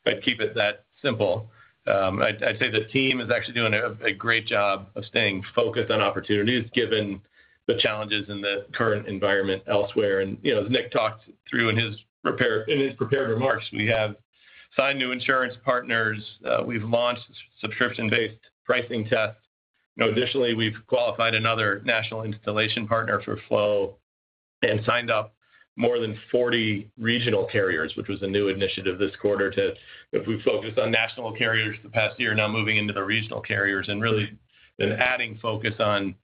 I would keep it that simple. I would say the team is actually doing a great job of staying focused on opportunities given the challenges in the current environment elsewhere. As Nick talked through in his prepared remarks, we have signed new insurance partners. We've launched subscription-based pricing tests. Additionally, we've qualified another national installation partner for Flo and signed up more than 40 regional carriers, which was a new initiative this quarter. If we focus on national carriers the past year, now moving into the regional carriers and really then adding focus on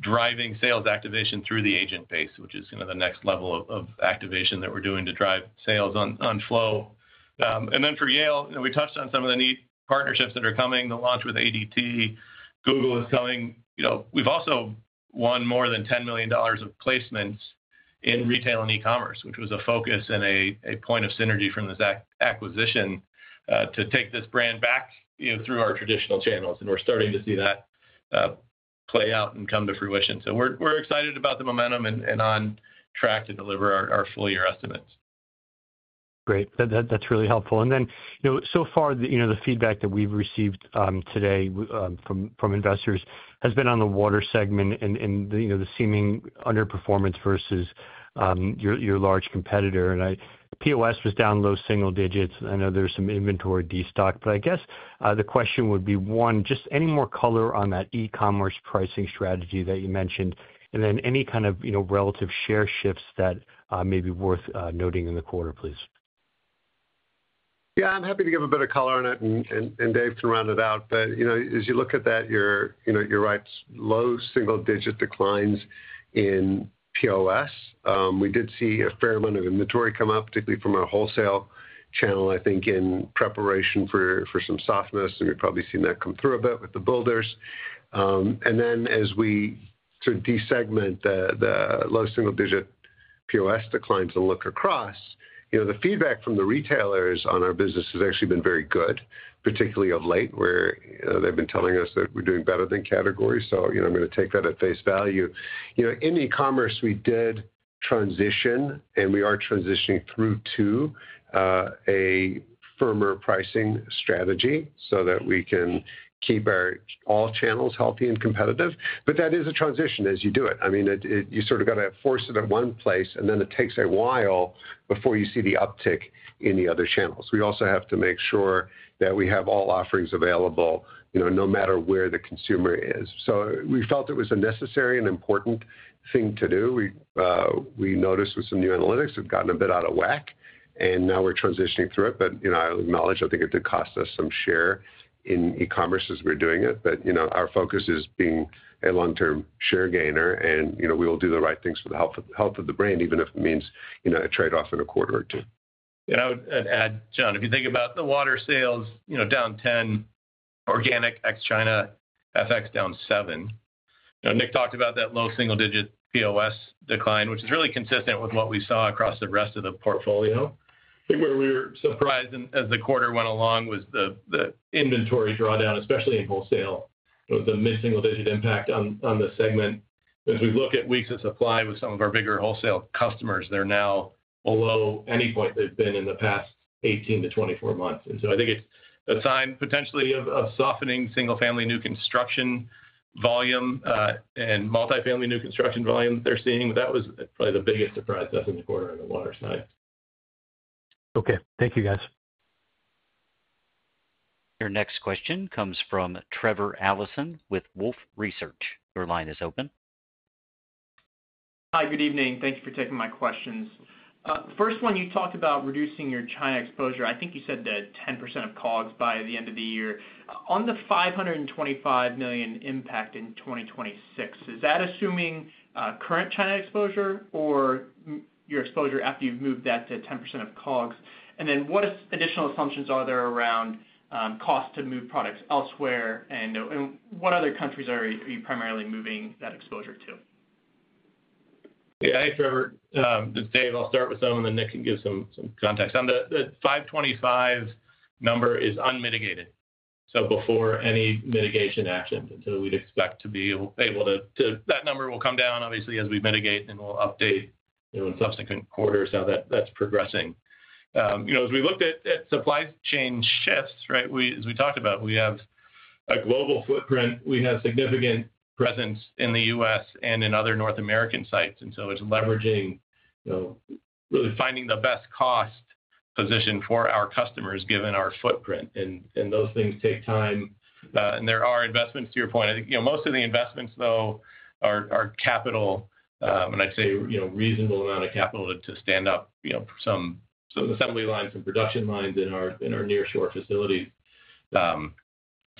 driving sales activation through the agent base, which is kind of the next level of activation that we're doing to drive sales on Flo. For Yale, we touched on some of the neat partnerships that are coming, the launch with ADT, Google is coming. We've also won more than $10 million of placements in retail and e-commerce, which was a focus and a point of synergy from this acquisition to take this brand back through our traditional channels. We're starting to see that play out and come to fruition. We're excited about the momentum and on track to deliver our full-year estimates. Great. That's really helpful. The feedback that we've received today from investors has been on the water segment and the seeming underperformance versus your large competitor. POS was down low single digits. I know there's some inventory destocked. I guess the question would be, one, just any more color on that e-commerce pricing strategy that you mentioned, and then any kind of relative share shifts that may be worth noting in the quarter, please. Yeah. I'm happy to give a bit of color on it, and Dave can round it out. As you look at that, you're right, low single-digit declines in POS. We did see a fair amount of inventory come up, particularly from our wholesale channel, I think, in preparation for some softness. We have probably seen that come through a bit with the builders. As we sort of desegment the low single-digit POS declines and look across, the feedback from the retailers on our business has actually been very good, particularly of late, where they have been telling us that we are doing better than categories. I am going to take that at face value. In e-commerce, we did transition, and we are transitioning through to a firmer pricing strategy so that we can keep all channels healthy and competitive. That is a transition as you do it. I mean, you sort of have to force it at one place, and then it takes a while before you see the uptick in the other channels. We also have to make sure that we have all offerings available no matter where the consumer is. We felt it was a necessary and important thing to do. We noticed with some new analytics, we've gotten a bit out of whack, and now we're transitioning through it. I'll acknowledge, I think it did cost us some share in e-commerce as we're doing it. Our focus is being a long-term share gainer, and we will do the right things for the health of the brand, even if it means a trade-off in a quarter or two. Yeah. I would add, John, if you think about the Water sales down 10%, organic X China FX down 7%. Nick talked about that low single-digit POS decline, which is really consistent with what we saw across the rest of the portfolio. I think where we were surprised as the quarter went along was the inventory drawdown, especially in wholesale, with the mid-single-digit impact on the segment. As we look at weeks of supply with some of our bigger wholesale customers, they're now below any point they've been in the past 18 to 24 months. I think it's a sign potentially of softening single-family new construction volume and multi-family new construction volume that they're seeing. That was probably the biggest surprise to us in the quarter on the Water side. Okay. Thank you, guys. Your next question comes from Trevor Allison with Wolfe Research. Your line is open. Hi, good evening. Thank you for taking my questions. First one, you talked about reducing your China exposure. I think you said that 10% of COGS by the end of the year. On the $525 million impact in 2026, is that assuming current China exposure or your exposure after you've moved that to 10% of COGS? What additional assumptions are there around cost to move products elsewhere? What other countries are you primarily moving that exposure to? Yeah. Hey, Trevor. It's Dave. I'll start with him, and then Nick can give some context. The $525 million number is unmitigated. Before any mitigation action, we'd expect to be able to—that number will come down, obviously, as we mitigate, and we'll update in subsequent quarters how that's progressing. As we looked at supply chain shifts, right, as we talked about, we have a global footprint. We have significant presence in the U.S. and in other North American sites. It's leveraging, really finding the best cost position for our customers given our footprint. Those things take time. There are investments, to your point. I think most of the investments, though, are capital, and I'd say reasonable amount of capital to stand up some assembly lines, some production lines in our near-shore facilities. That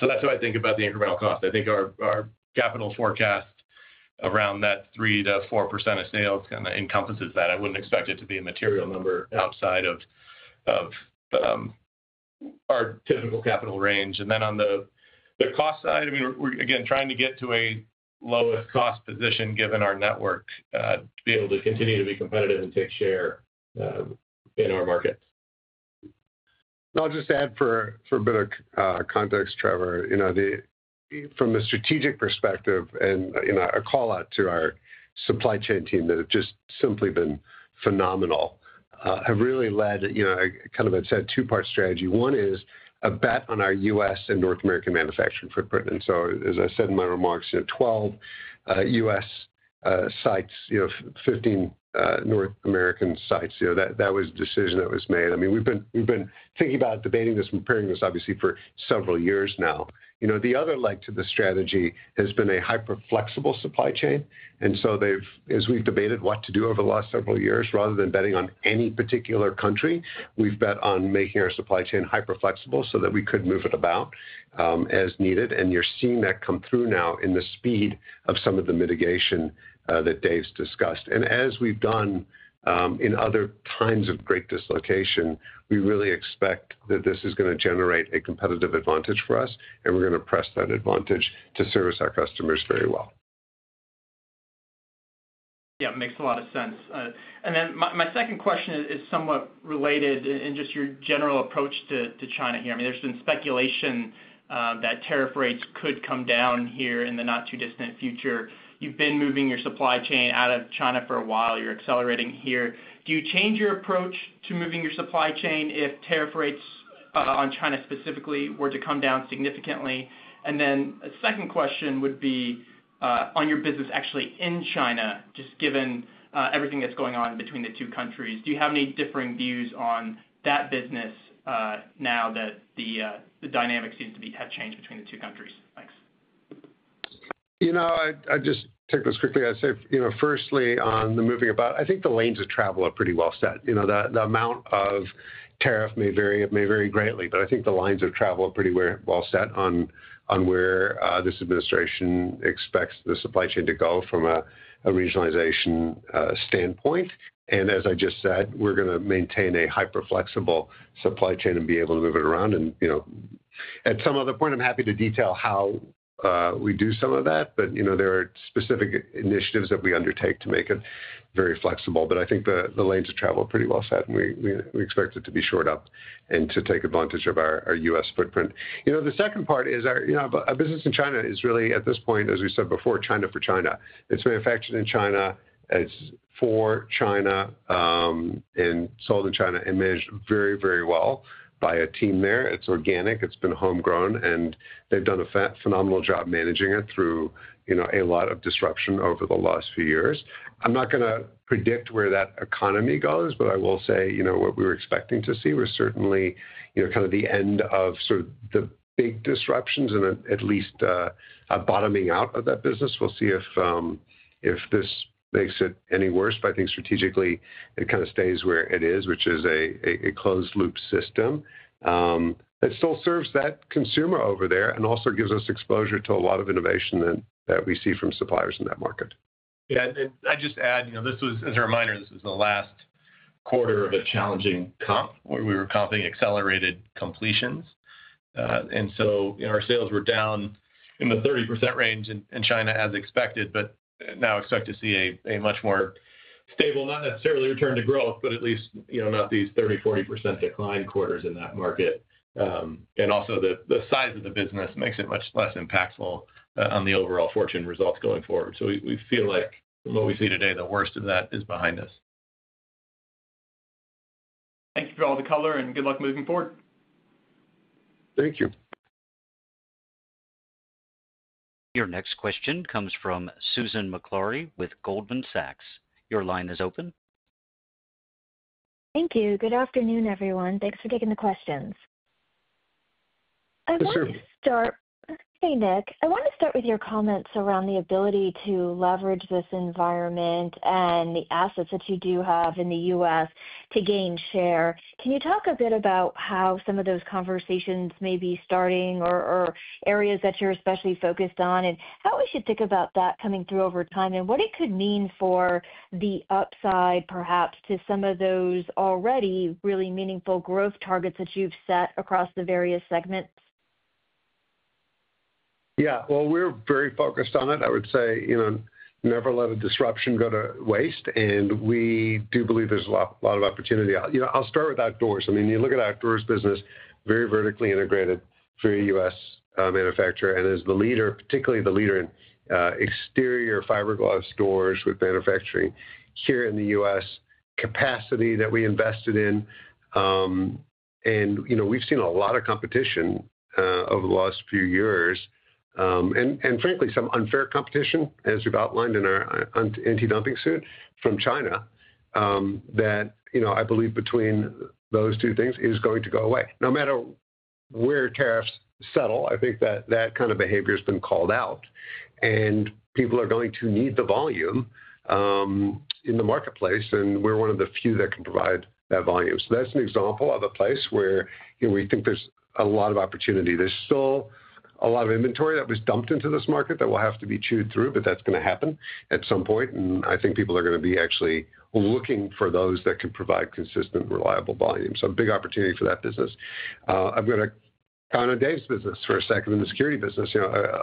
is how I think about the incremental cost. I think our capital forecast around that 3%-4% of sales kind of encompasses that. I would not expect it to be a material number outside of our typical capital range. On the cost side, I mean, we are again trying to get to a lowest cost position given our network to be able to continue to be competitive and take share in our markets. I will just add for a bit of context, Trevor, from the strategic perspective, and a call out to our supply chain team that have just simply been phenomenal, have really led kind of a two-part strategy. One is a bet on our U.S. and North American manufacturing footprint. As I said in my remarks, 12 U.S. sites, 15 North American sites, that was a decision that was made. I mean, we've been thinking about, debating this, and preparing this, obviously, for several years now. The other leg to the strategy has been a hyper-flexible supply chain. As we've debated what to do over the last several years, rather than betting on any particular country, we've bet on making our supply chain hyper-flexible so that we could move it about as needed. You're seeing that come through now in the speed of some of the mitigation that Dave's discussed. As we have done in other times of great dislocation, we really expect that this is going to generate a competitive advantage for us, and we are going to press that advantage to service our customers very well. Yeah. Makes a lot of sense. My second question is somewhat related in just your general approach to China here. I mean, there has been speculation that tariff rates could come down here in the not-too-distant future. You have been moving your supply chain out of China for a while. You are accelerating here. Do you change your approach to moving your supply chain if tariff rates on China specifically were to come down significantly? A second question would be on your business actually in China, just given everything that is going on between the two countries. Do you have any differing views on that business now that the dynamic seems to have changed between the two countries? Thanks. I just take this quickly. I'd say, firstly, on the moving about, I think the lanes of travel are pretty well set. The amount of tariff may vary greatly, but I think the lines of travel are pretty well set on where this administration expects the supply chain to go from a regionalization standpoint. As I just said, we're going to maintain a hyper-flexible supply chain and be able to move it around. At some other point, I'm happy to detail how we do some of that, but there are specific initiatives that we undertake to make it very flexible. I think the lanes of travel are pretty well set, and we expect it to be shored up and to take advantage of our U.S. footprint. The second part is our business in China is really, at this point, as we said before, China for China. It is manufactured in China. It is for China and sold in China and managed very, very well by a team there. It is organic. It has been homegrown, and they have done a phenomenal job managing it through a lot of disruption over the last few years. I am not going to predict where that economy goes, but I will say what we were expecting to see was certainly kind of the end of sort of the big disruptions and at least a bottoming out of that business. We will see if this makes it any worse. I think strategically, it kind of stays where it is, which is a closed-loop system. It still serves that consumer over there and also gives us exposure to a lot of innovation that we see from suppliers in that market. Yeah. I'd just add, as a reminder, this was the last quarter of a challenging comp where we were comping accelerated completions. Our sales were down in the 30% range in China, as expected, but now expect to see a much more stable, not necessarily return to growth, but at least not these 30%-40% decline quarters in that market. Also, the size of the business makes it much less impactful on the overall Fortune results going forward. We feel like from what we see today, the worst of that is behind us. Thank you for all the color and good luck moving forward. Thank you. Your next question comes from Susan McLaurie with Goldman Sachs. Your line is open. Thank you. Good afternoon, everyone. Thanks for taking the questions. I want to start. Hey, Nick. I want to start with your comments around the ability to leverage this environment and the assets that you do have in the U.S. to gain share. Can you talk a bit about how some of those conversations may be starting or areas that you're especially focused on and how we should think about that coming through over time and what it could mean for the upside, perhaps, to some of those already really meaningful growth targets that you've set across the various segments? Yeah. We're very focused on it. I would say never let a disruption go to waste. We do believe there is a lot of opportunity. I'll start with Outdoors. I mean, you look at Outdoors business, very vertically integrated, very U.S. manufacturer, and is particularly the leader in exterior fiberglass doors with manufacturing here in the U.S., capacity that we invested in. We have seen a lot of competition over the last few years, and frankly, some unfair competition, as we have outlined in our anti-dumping suit from China that I believe between those two things is going to go away. No matter where tariffs settle, I think that that kind of behavior has been called out. People are going to need the volume in the marketplace, and we are one of the few that can provide that volume. That is an example of a place where we think there is a lot of opportunity. There's still a lot of inventory that was dumped into this market that will have to be chewed through, but that's going to happen at some point. I think people are going to be actually looking for those that can provide consistent, reliable volume. A big opportunity for that business. I'm going to go on to Dave's business for a second in the Security business.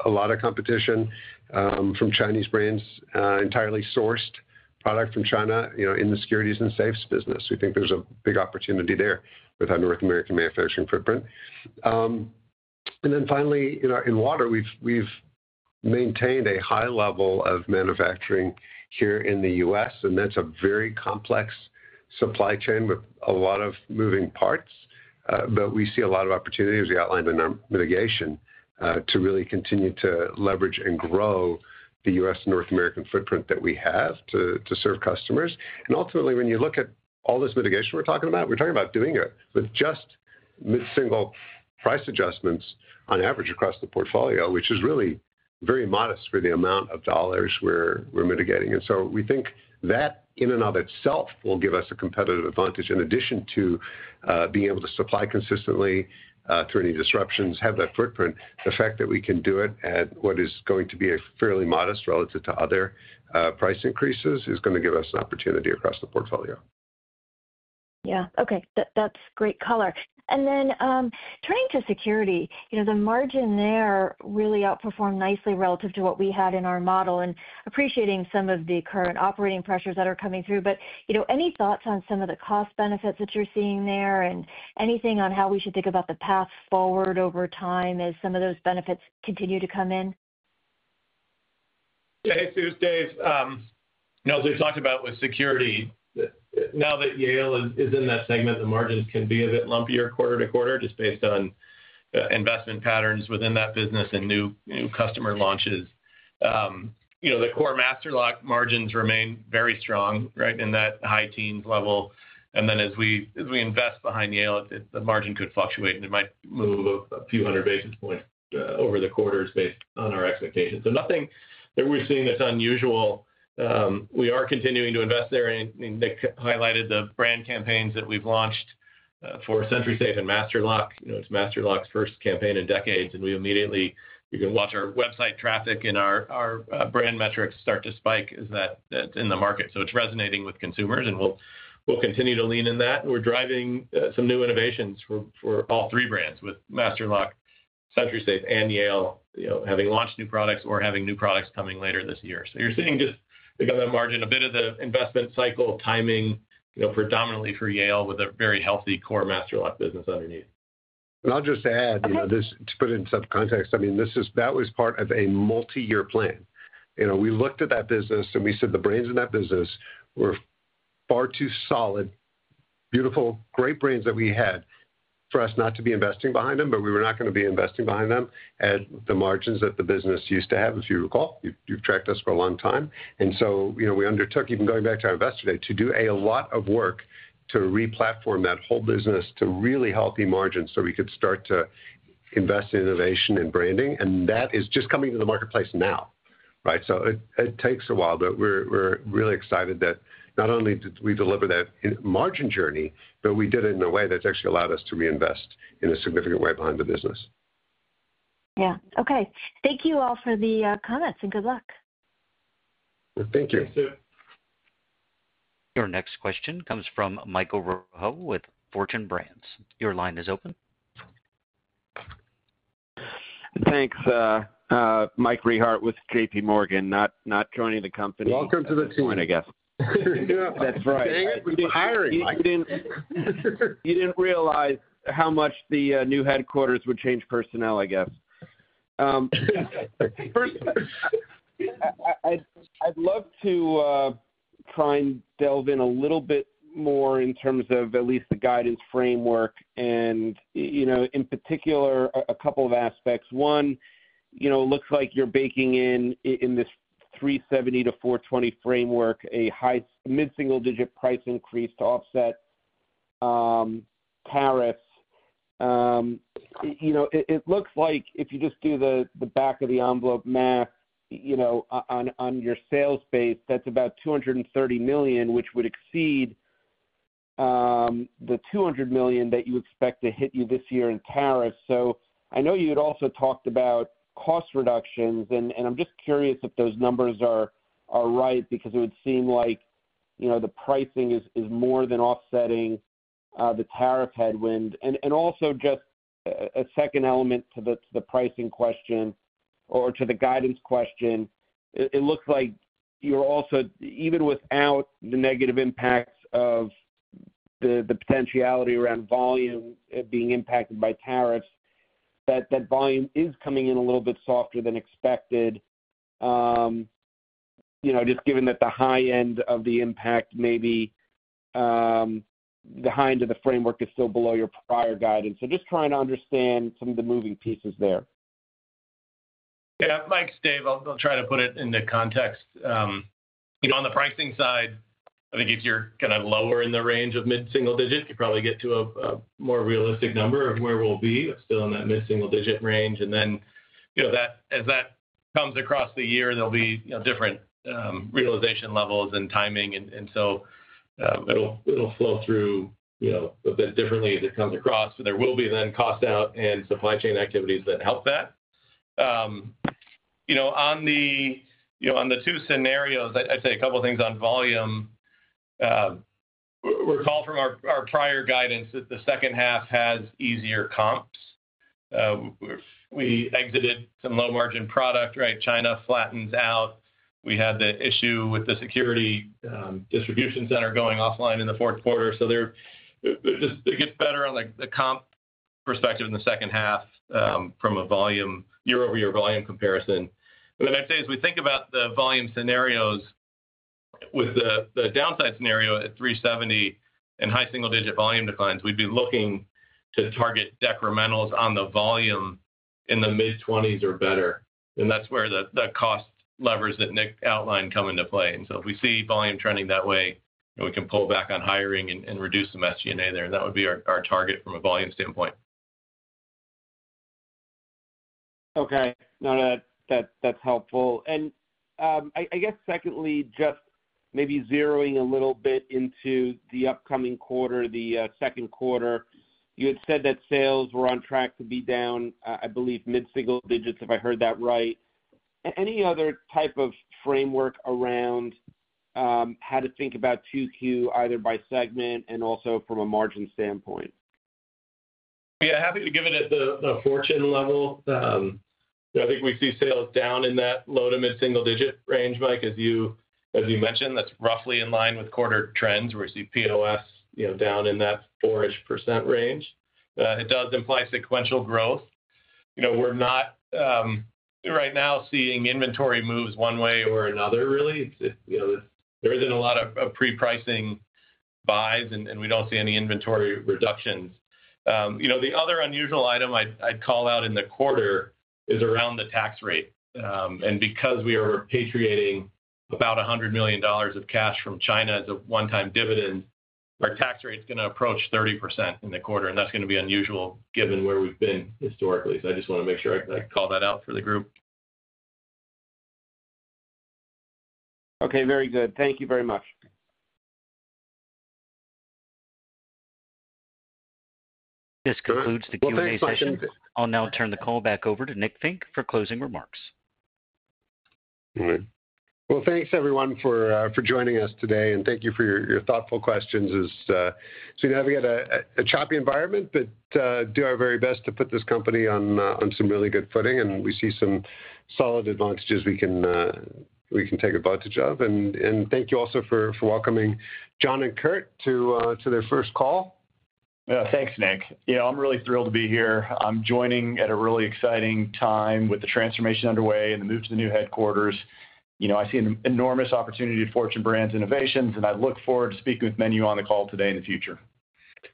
A lot of competition from Chinese brands, entirely sourced product from China in the Security and safes business. We think there's a big opportunity there with our North American manufacturing footprint. Finally, in water, we've maintained a high level of manufacturing here in the U.S. That is a very complex supply chain with a lot of moving parts. We see a lot of opportunity, as we outlined in our mitigation, to really continue to leverage and grow the U.S. and North American footprint that we have to serve customers. Ultimately, when you look at all this mitigation we are talking about, we are talking about doing it with just single price adjustments on average across the portfolio, which is really very modest for the amount of dollars we are mitigating. We think that in and of itself will give us a competitive advantage in addition to being able to supply consistently through any disruptions, have that footprint. The fact that we can do it at what is going to be a fairly modest, relative to other price increases, is going to give us an opportunity across the portfolio. Yeah. Okay. That is great color. Turning to Security, the margin there really outperformed nicely relative to what we had in our model and appreciating some of the current operating pressures that are coming through. Any thoughts on some of the cost benefits that you're seeing there and anything on how we should think about the path forward over time as some of those benefits continue to come in? Yeah. Hey, Suz, Dave. As we've talked about with Security, now that Yale is in that segment, the margins can be a bit lumpier quarter to quarter just based on investment patterns within that business and new customer launches. The core Master Lock margins remain very strong, right, in that high teens level. As we invest behind Yale, the margin could fluctuate, and it might move a few hundred basis points over the quarters based on our expectations. Nothing that we're seeing that's unusual. We are continuing to invest there. Nick highlighted the brand campaigns that we've launched for SentrySafe and Master Lock. It's Master Lock's first campaign in decades. You can watch our website traffic and our brand metrics start to spike as it's in the market. It's resonating with consumers, and we'll continue to lean in that. We're driving some new innovations for all three brands with Master Lock, SentrySafe, and Yale having launched new products or having new products coming later this year. You're seeing just the margin, a bit of the investment cycle timing predominantly for Yale with a very healthy core Master Lock business underneath. I'll just add, to put it in some context, that was part of a multi-year plan. We looked at that business, and we said the brains in that business were far too solid, beautiful, great brains that we had for us not to be investing behind them, but we were not going to be investing behind them at the margins that the business used to have, if you recall. You have tracked us for a long time. We undertook, even going back to our investor day, to do a lot of work to replatform that whole business to really healthy margins so we could start to invest in innovation and branding. That is just coming to the marketplace now, right? It takes a while, but we are really excited that not only did we deliver that margin journey, but we did it in a way that has actually allowed us to reinvest in a significant way behind the business. Yeah. Okay. Thank you all for the comments and good luck. Thank you. Thank you. Your next question comes from Mike Rehark with Fortune Brands. Your line is open. Thanks. Mike Rehark with JPMorgan not joining the company. Welcome to the team, I guess. That's right. We'll be hiring. You didn't realize how much the new headquarters would change personnel, I guess. I'd love to try and delve in a little bit more in terms of at least the guidance framework and, in particular, a couple of aspects. One, it looks like you're baking in this $3.70-$4.20 framework, a mid-single-digit price increase to offset tariffs. It looks like if you just do the back of the envelope math on your sales base, that's about $230 million, which would exceed the $200 million that you expect to hit you this year in tariffs. I know you had also talked about cost reductions, and I'm just curious if those numbers are right because it would seem like the pricing is more than offsetting the tariff headwind. Also, just a second element to the pricing question or to the guidance question, it looks like you're also, even without the negative impacts of the potentiality around volume being impacted by tariffs, that volume is coming in a little bit softer than expected, just given that the high end of the impact, maybe the high end of the framework is still below your prior guidance. Just trying to understand some of the moving pieces there. Yeah. Mike's Dave. I'll try to put it in the context. On the pricing side, I think if you're kind of lower in the range of mid-single digit, you probably get to a more realistic number of where we'll be still in that mid-single digit range. As that comes across the year, there will be different realization levels and timing. It will flow through a bit differently as it comes across. There will be then cost out and supply chain activities that help that. On the two scenarios, I'd say a couple of things on volume. Recall from our prior guidance that the second half has easier comps. We exited some low-margin product, right? China flattens out. We had the issue with the Security distribution center going offline in the fourth quarter. It gets better on the comp perspective in the second half from a year-over-year volume comparison. I'd say as we think about the volume scenarios with the downside scenario at $370 million and high single-digit volume declines, we'd be looking to target decrementals on the volume in the mid-20% or better. That's where the cost levers that Nick outlined come into play. If we see volume trending that way, we can pull back on hiring and reduce some SG&A there. That would be our target from a volume standpoint. Okay. No, that's helpful. I guess secondly, just maybe zeroing a little bit into the upcoming quarter, the second quarter, you had said that sales were on track to be down, I believe, mid-single digits, if I heard that right. Any other type of framework around how to think about Q2 either by segment and also from a margin standpoint? Yeah. Happy to give it at the Fortune level. I think we see sales down in that low to mid-single digit range, Mike, as you mentioned. That's roughly in line with quarter trends where we see POS down in that 4% range. It does imply sequential growth. We're not right now seeing inventory moves one way or another, really. There isn't a lot of pre-pricing buys, and we don't see any inventory reductions. The other unusual item I'd call out in the quarter is around the tax rate. Because we are repatriating about $100 million of cash from China as a one-time dividend, our tax rate's going to approach 30% in the quarter. That's going to be unusual given where we've been historically. I just want to make sure I call that out for the group. Okay. Very good. Thank you very much. This concludes the Q&A session. I'll now turn the call back over to Nick Fink for closing remarks. All right. Thanks, everyone, for joining us today. Thank you for your thoughtful questions. We have a choppy environment, but do our very best to put this company on some really good footing. We see some solid advantages we can take advantage of. Thank you also for welcoming John and Curt to their first call. Yeah. Thanks, Nick. I'm really thrilled to be here. I'm joining at a really exciting time with the transformation underway and the move to the new headquarters. I see an enormous opportunity at Fortune Brands Innovations, and I look forward to speaking with many of you on the call today in the future.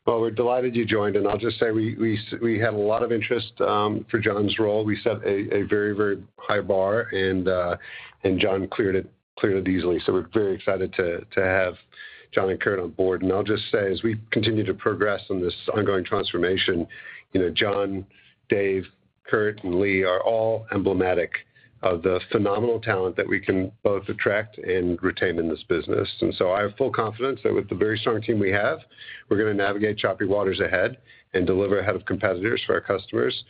We're delighted you joined. I'll just say we had a lot of interest for John's role. We set a very, very high bar, and John cleared it easily. We are very excited to have John and Curt on board. I will just say as we continue to progress in this ongoing transformation, John, Dave, Curt, and Leigh are all emblematic of the phenomenal talent that we can both attract and retain in this business. I have full confidence that with the very strong team we have, we are going to navigate choppy waters ahead and deliver ahead of competitors for our customers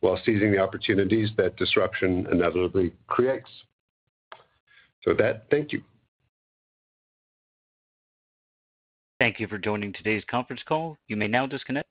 while seizing the opportunities that disruption inevitably creates. Thank you. Thank you for joining today's conference call. You may now disconnect.